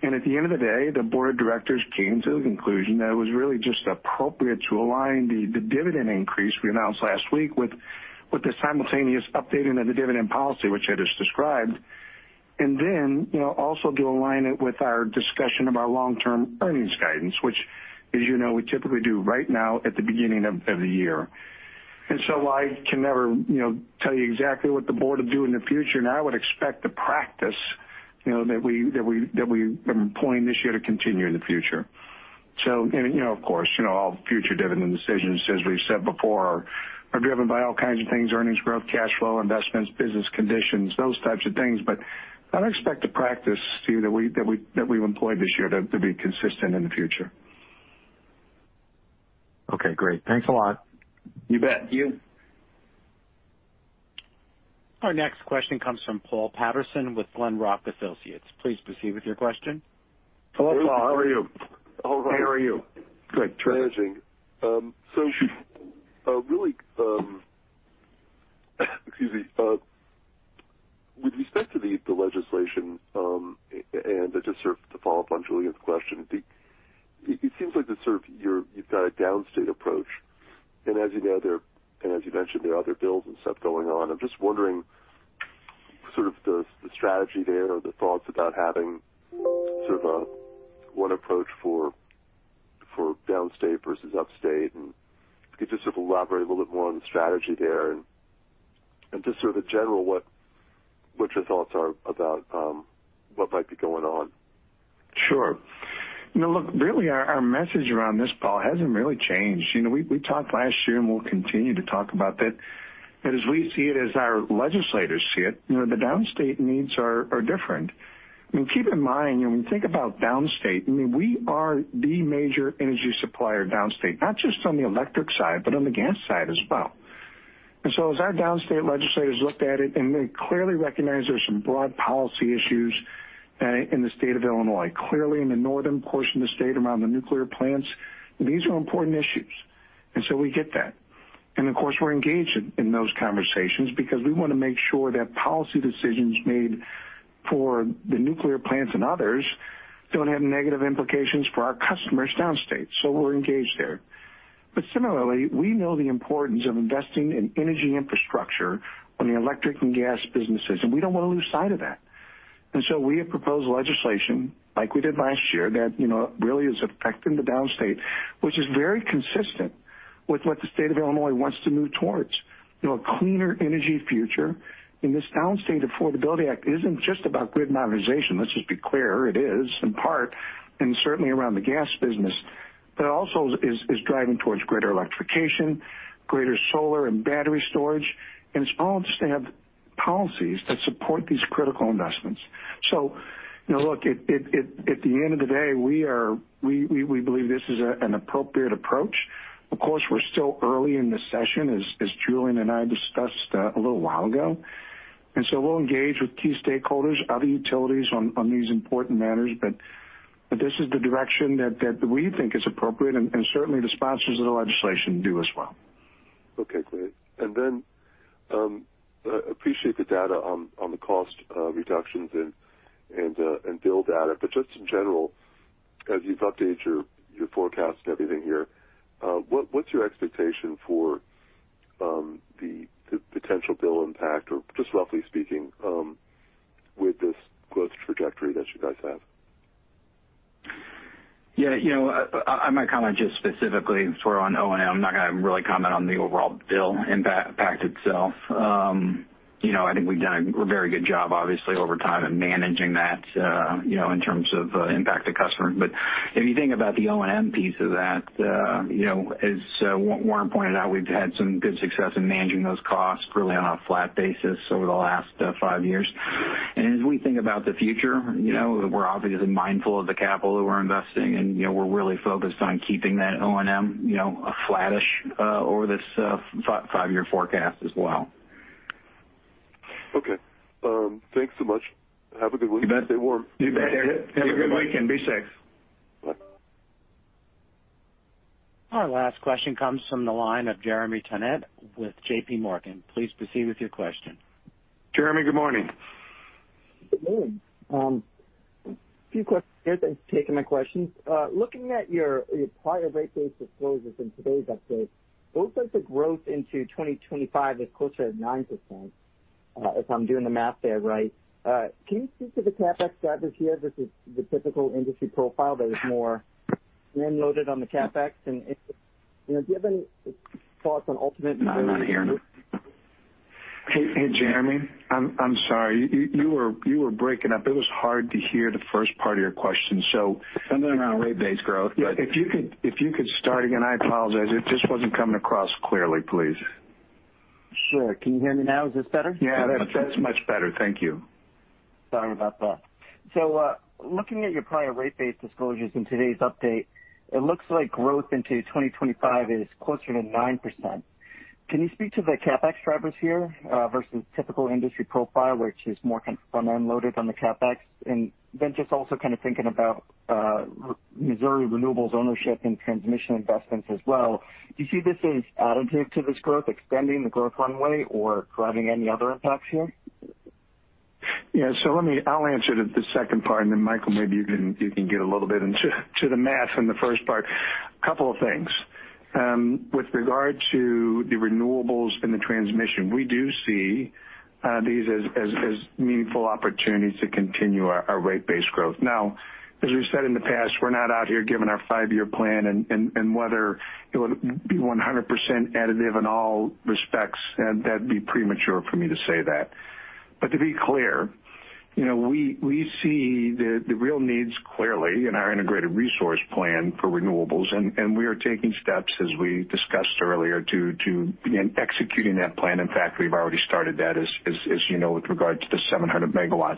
At the end of the day, the board of directors came to the conclusion that it was really just appropriate to align the dividend increase we announced last week with the simultaneous updating of the dividend policy, which I just described. Then, also to align it with our discussion of our long-term earnings guidance, which as you know, we typically do right now at the beginning of the year. I can never tell you exactly what the board will do in the future. I would expect the practice that we employed this year to continue in the future. Of course, all future dividend decisions, as we've said before, are driven by all kinds of things, earnings growth, cash flow, investments, business conditions, those types of things. I'd expect the practice, Steve, that we've employed this year to be consistent in the future. Okay, great. Thanks a lot. You bet. Our next question comes from Paul Patterson with Glenrock Associates. Please proceed with your question. Hello, Paul, how are you? How are you? Good. Managing. Really, excuse me. With respect to the legislation, just sort of to follow up on Julien's question, it seems like you've got a downstate approach. As you know, there, and as you mentioned, there are other bills and stuff going on. I'm just wondering sort of the strategy there or the thoughts about having sort of one approach for downstate versus upstate, and if you could just elaborate a little bit more on the strategy there and just sort of general, what your thoughts are about what might be going on. Sure. Look, really, our message around this, Paul, hasn't really changed. We talked last year, and we'll continue to talk about that as we see it, as our legislators see it, the downstate needs are different. Keep in mind, when you think about downstate, we are the major energy supplier downstate, not just on the electric side, but on the gas side as well. As our downstate legislators looked at it, and they clearly recognize there's some broad policy issues in the state of Illinois, clearly in the northern portion of the state around the nuclear plants, these are important issues. We get that. Of course, we're engaged in those conversations because we want to make sure that policy decisions made for the nuclear plants and others don't have negative implications for our customers downstate. We're engaged there. Similarly, we know the importance of investing in energy infrastructure on the electric and gas businesses, and we don't want to lose sight of that. So we have proposed legislation like we did last year that really is affecting the Downstate, which is very consistent with what the state of Illinois wants to move towards, a cleaner energy future. This Downstate Affordability Act isn't just about grid modernization. Let's just be clear. It is in part, and certainly around the gas business, but also is driving towards greater electrification, greater solar and battery storage, and it's all just to have policies that support these critical investments. Look, at the end of the day, we believe this is an appropriate approach. Of course, we're still early in the session, as Julien and I discussed a little while ago, we'll engage with key stakeholders, other utilities on these important matters. This is the direction that we think is appropriate, and certainly the sponsors of the legislation do as well. Okay, great. Appreciate the data on the cost reductions and bill data. Just in general, as you've updated your forecast and everything here, what's your expectation for the potential bill impact, or just roughly speaking, with this growth trajectory that you guys have? Yeah. I might comment just specifically sort of on O&M. I'm not going to really comment on the overall bill impact itself. I think we've done a very good job, obviously, over time in managing that in terms of impact to customers. If you think about the O&M piece of that, as Warner pointed out, we've had some good success in managing those costs really on a flat basis over the last five years. As we think about the future, we're obviously mindful of the capital that we're investing, and we're really focused on keeping that O&M flattish over this five-year forecast as well. Okay. Thanks so much. Have a good week. You bet. Stay warm. You bet. Have a good weekend. Be safe. Bye. Our last question comes from the line of Jeremy Tonet with JPMorgan. Please proceed with your question. Jeremy, good morning. Good morning. A few questions here. Thanks for taking my questions. Looking at your prior rate base disclosures in today's update, it looks like the growth into 2025 is closer to 9%, if I'm doing the math there right. Can you speak to the CapEx drivers here versus the typical industry profile that is more front-end loaded on the CapEx? No, I'm not hearing you. Hey, Jeremy, I'm sorry. You were breaking up. It was hard to hear the first part of your question. Something around rate base growth. If you could start again, I apologize. It just wasn't coming across clearly, please. Sure. Can you hear me now? Is this better? Yeah, that's much better. Thank you. Sorry about that. Looking at your prior rate base disclosures in today's update, it looks like growth into 2025 is closer to 9%. Can you speak to the CapEx drivers here versus typical industry profile, which is more kind of front-end loaded on the CapEx? Then just also kind of thinking about Missouri renewables ownership and transmission investments as well. Do you see this as additive to this growth, extending the growth runway or driving any other impacts here? Yeah. I'll answer the second part, and then Michael, maybe you can get a little bit into the math in the first part. Couple of things. With regard to the renewables and the transmission, we do see these as meaningful opportunities to continue our rate base growth. As we've said in the past, we're not out here giving our five-year plan and whether it would be 100% additive in all respects. That'd be premature for me to say that. To be clear, we see the real needs clearly in our Integrated Resource Plan for renewables, and we are taking steps, as we discussed earlier, to begin executing that plan. In fact, we've already started that, as you know, with regard to the 700 MW.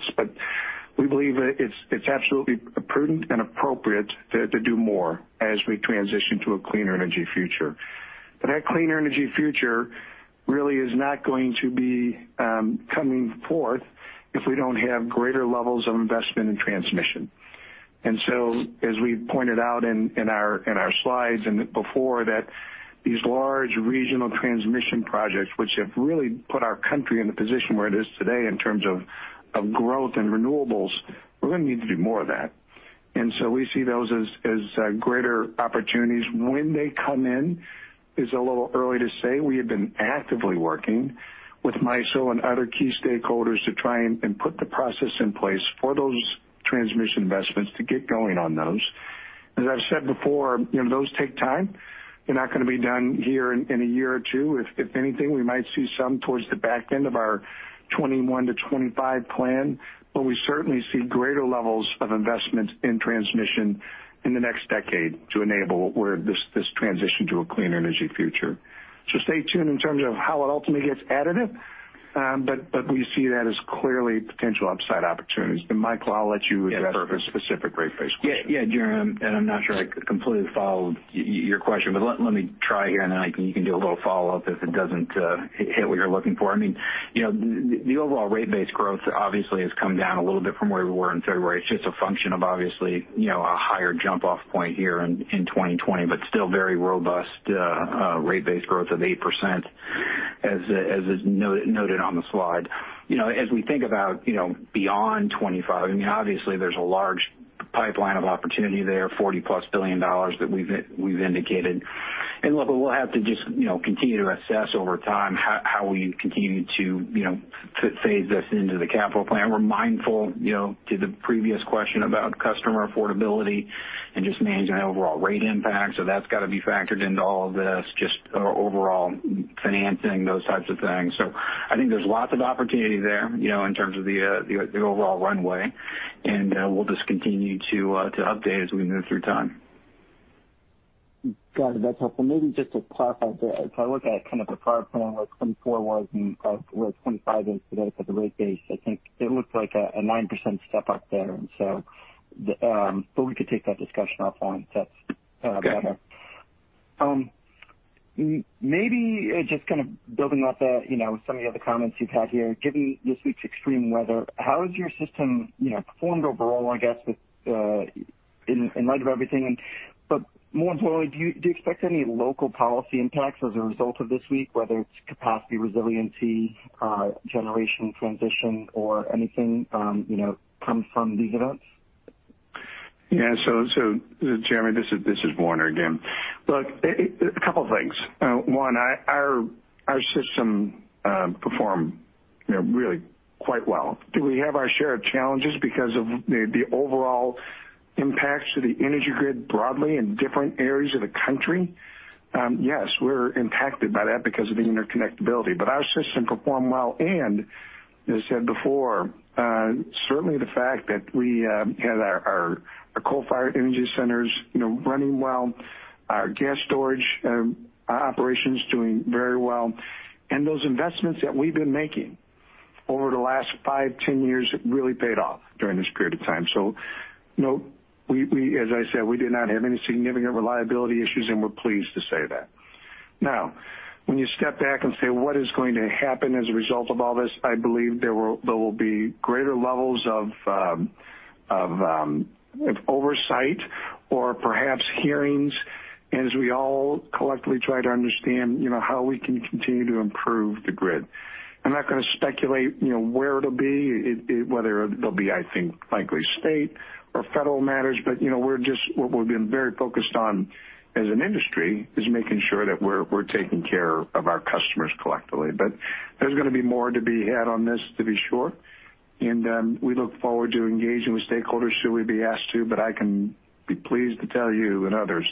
We believe it's absolutely prudent and appropriate to do more as we transition to a cleaner energy future. That cleaner energy future really is not going to be coming forth if we don't have greater levels of investment in transmission. As we pointed out in our slides and before that these large regional transmission projects, which have really put our country in the position where it is today in terms of growth and renewables, we're going to need to do more of that. We see those as greater opportunities. When they come in is a little early to say. We have been actively working with MISO and other key stakeholders to try and put the process in place for those transmission investments to get going on those. As I've said before, those take time. They're not going to be done here in a year or two. If anything, we might see some towards the back end of our 2021-2025 plan. We certainly see greater levels of investment in transmission in the next decade to enable this transition to a clean energy future. Stay tuned in terms of how it ultimately gets additive. We see that as clearly potential upside opportunities. Michael, I'll let you address the specific rate base question. Yeah, Jeremy. I'm not sure I completely followed your question, but let me try here, and then you can do a little follow-up if it doesn't hit what you're looking for. The overall rate base growth obviously has come down a little bit from where we were in February. It's just a function of obviously, a higher jump-off points here in 2020, but still very robust rate base growth of 8%, as is noted on the slide. As we think about beyond 2025, obviously there's a large pipeline of opportunity there, $40+ billion that we've indicated. Look, we'll have to just continue to assess over time how we continue to phase this into the capital plan. We're mindful, to the previous question about customer affordability and just managing overall rate impact. That's got to be factored into all of this, just overall financing, those types of things. I think there's lots of opportunity there, in terms of the overall runway. We'll just continue to update as we move through time. Got it. That's helpful. Maybe just to clarify, if I look at kind of the prior plan, where 2024 was and where 2025 is today for the rate base, I think it looks like a 9% step-up there. We could take that discussion offline, if that's better. Okay. Maybe just kind of building off some of the other comments you've had here. Given this week's extreme weather, how has your system performed overall, I guess, in light of everything? More importantly, do you expect any local policy impacts as a result of this week, whether it's capacity resiliency, generation transition, or anything come from these events? Yeah. Jeremy, this is Warner again. Look, a couple things. One, our system performed really quite well. Do we have our share of challenges because of the overall impacts to the energy grid broadly in different areas of the country? Yes. We're impacted by that because of interconnectability. Our system performed well, and as I said before, certainly the fact that we had our coal-fired energy centers running well, our gas storage operations doing very well, and those investments that we've been making over the last five, 10 years really paid off during this period of time. No, as I said, we did not have any significant reliability issues, and we're pleased to say that. When you step back and say, what is going to happen as a result of all this, I believe there will be greater levels of oversight or perhaps hearings, as we all collectively try to understand how we can continue to improve the grid. I'm not going to speculate where it'll be, whether they'll be, I think, likely state or federal matters, but what we've been very focused on as an industry is making sure that we're taking care of our customers collectively. There's going to be more to be had on this to be sure. We look forward to engaging with stakeholders should we be asked to, but I can be pleased to tell you and others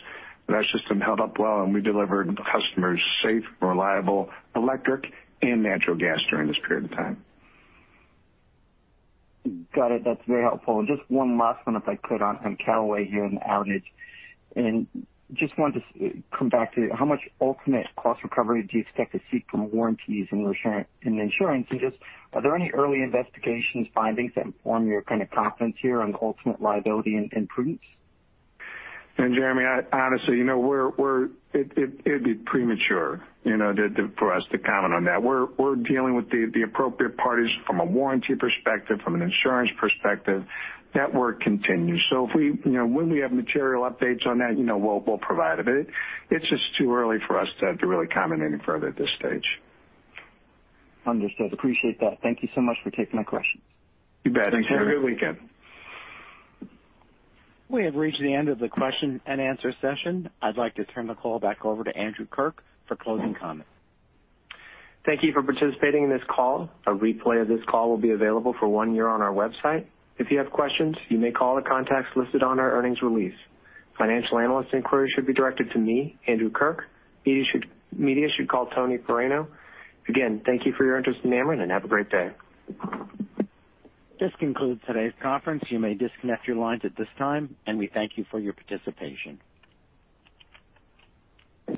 that our system held up well, and we delivered customers safe, reliable electric and natural gas during this period of time. Got it. That's very helpful. Just one last one if I could on Callaway here and the outage. Just wanted to come back to how much ultimate cost recovery do you expect to see from warranties and insurance? Just are there any early investigations, findings that inform your kind of confidence here on ultimate liability and prudence? Jeremy, honestly, it'd be premature for us to comment on that. We're dealing with the appropriate parties from a warranty perspective, from an insurance perspective. That work continues. When we have material updates on that, we'll provide it. It's just too early for us to really comment any further at this stage. Understood. Appreciate that. Thank you so much for taking my questions. You bet. Thanks, Jeremy. Have a good weekend. We have reached the end of the question-and-answer session. I'd like to turn the call back over to Andrew Kirk for closing comments. Thank you for participating in this call. A replay of this call will be available for one year on our website. If you have questions, you may call the contacts listed on our earnings release. Financial analyst inquiries should be directed to me, Andrew Kirk. Media should call Anthony Paraino. Again, thank you for your interest in Ameren, and have a great day. This concludes today's conference. You may disconnect your lines at this time. We thank you for your participation.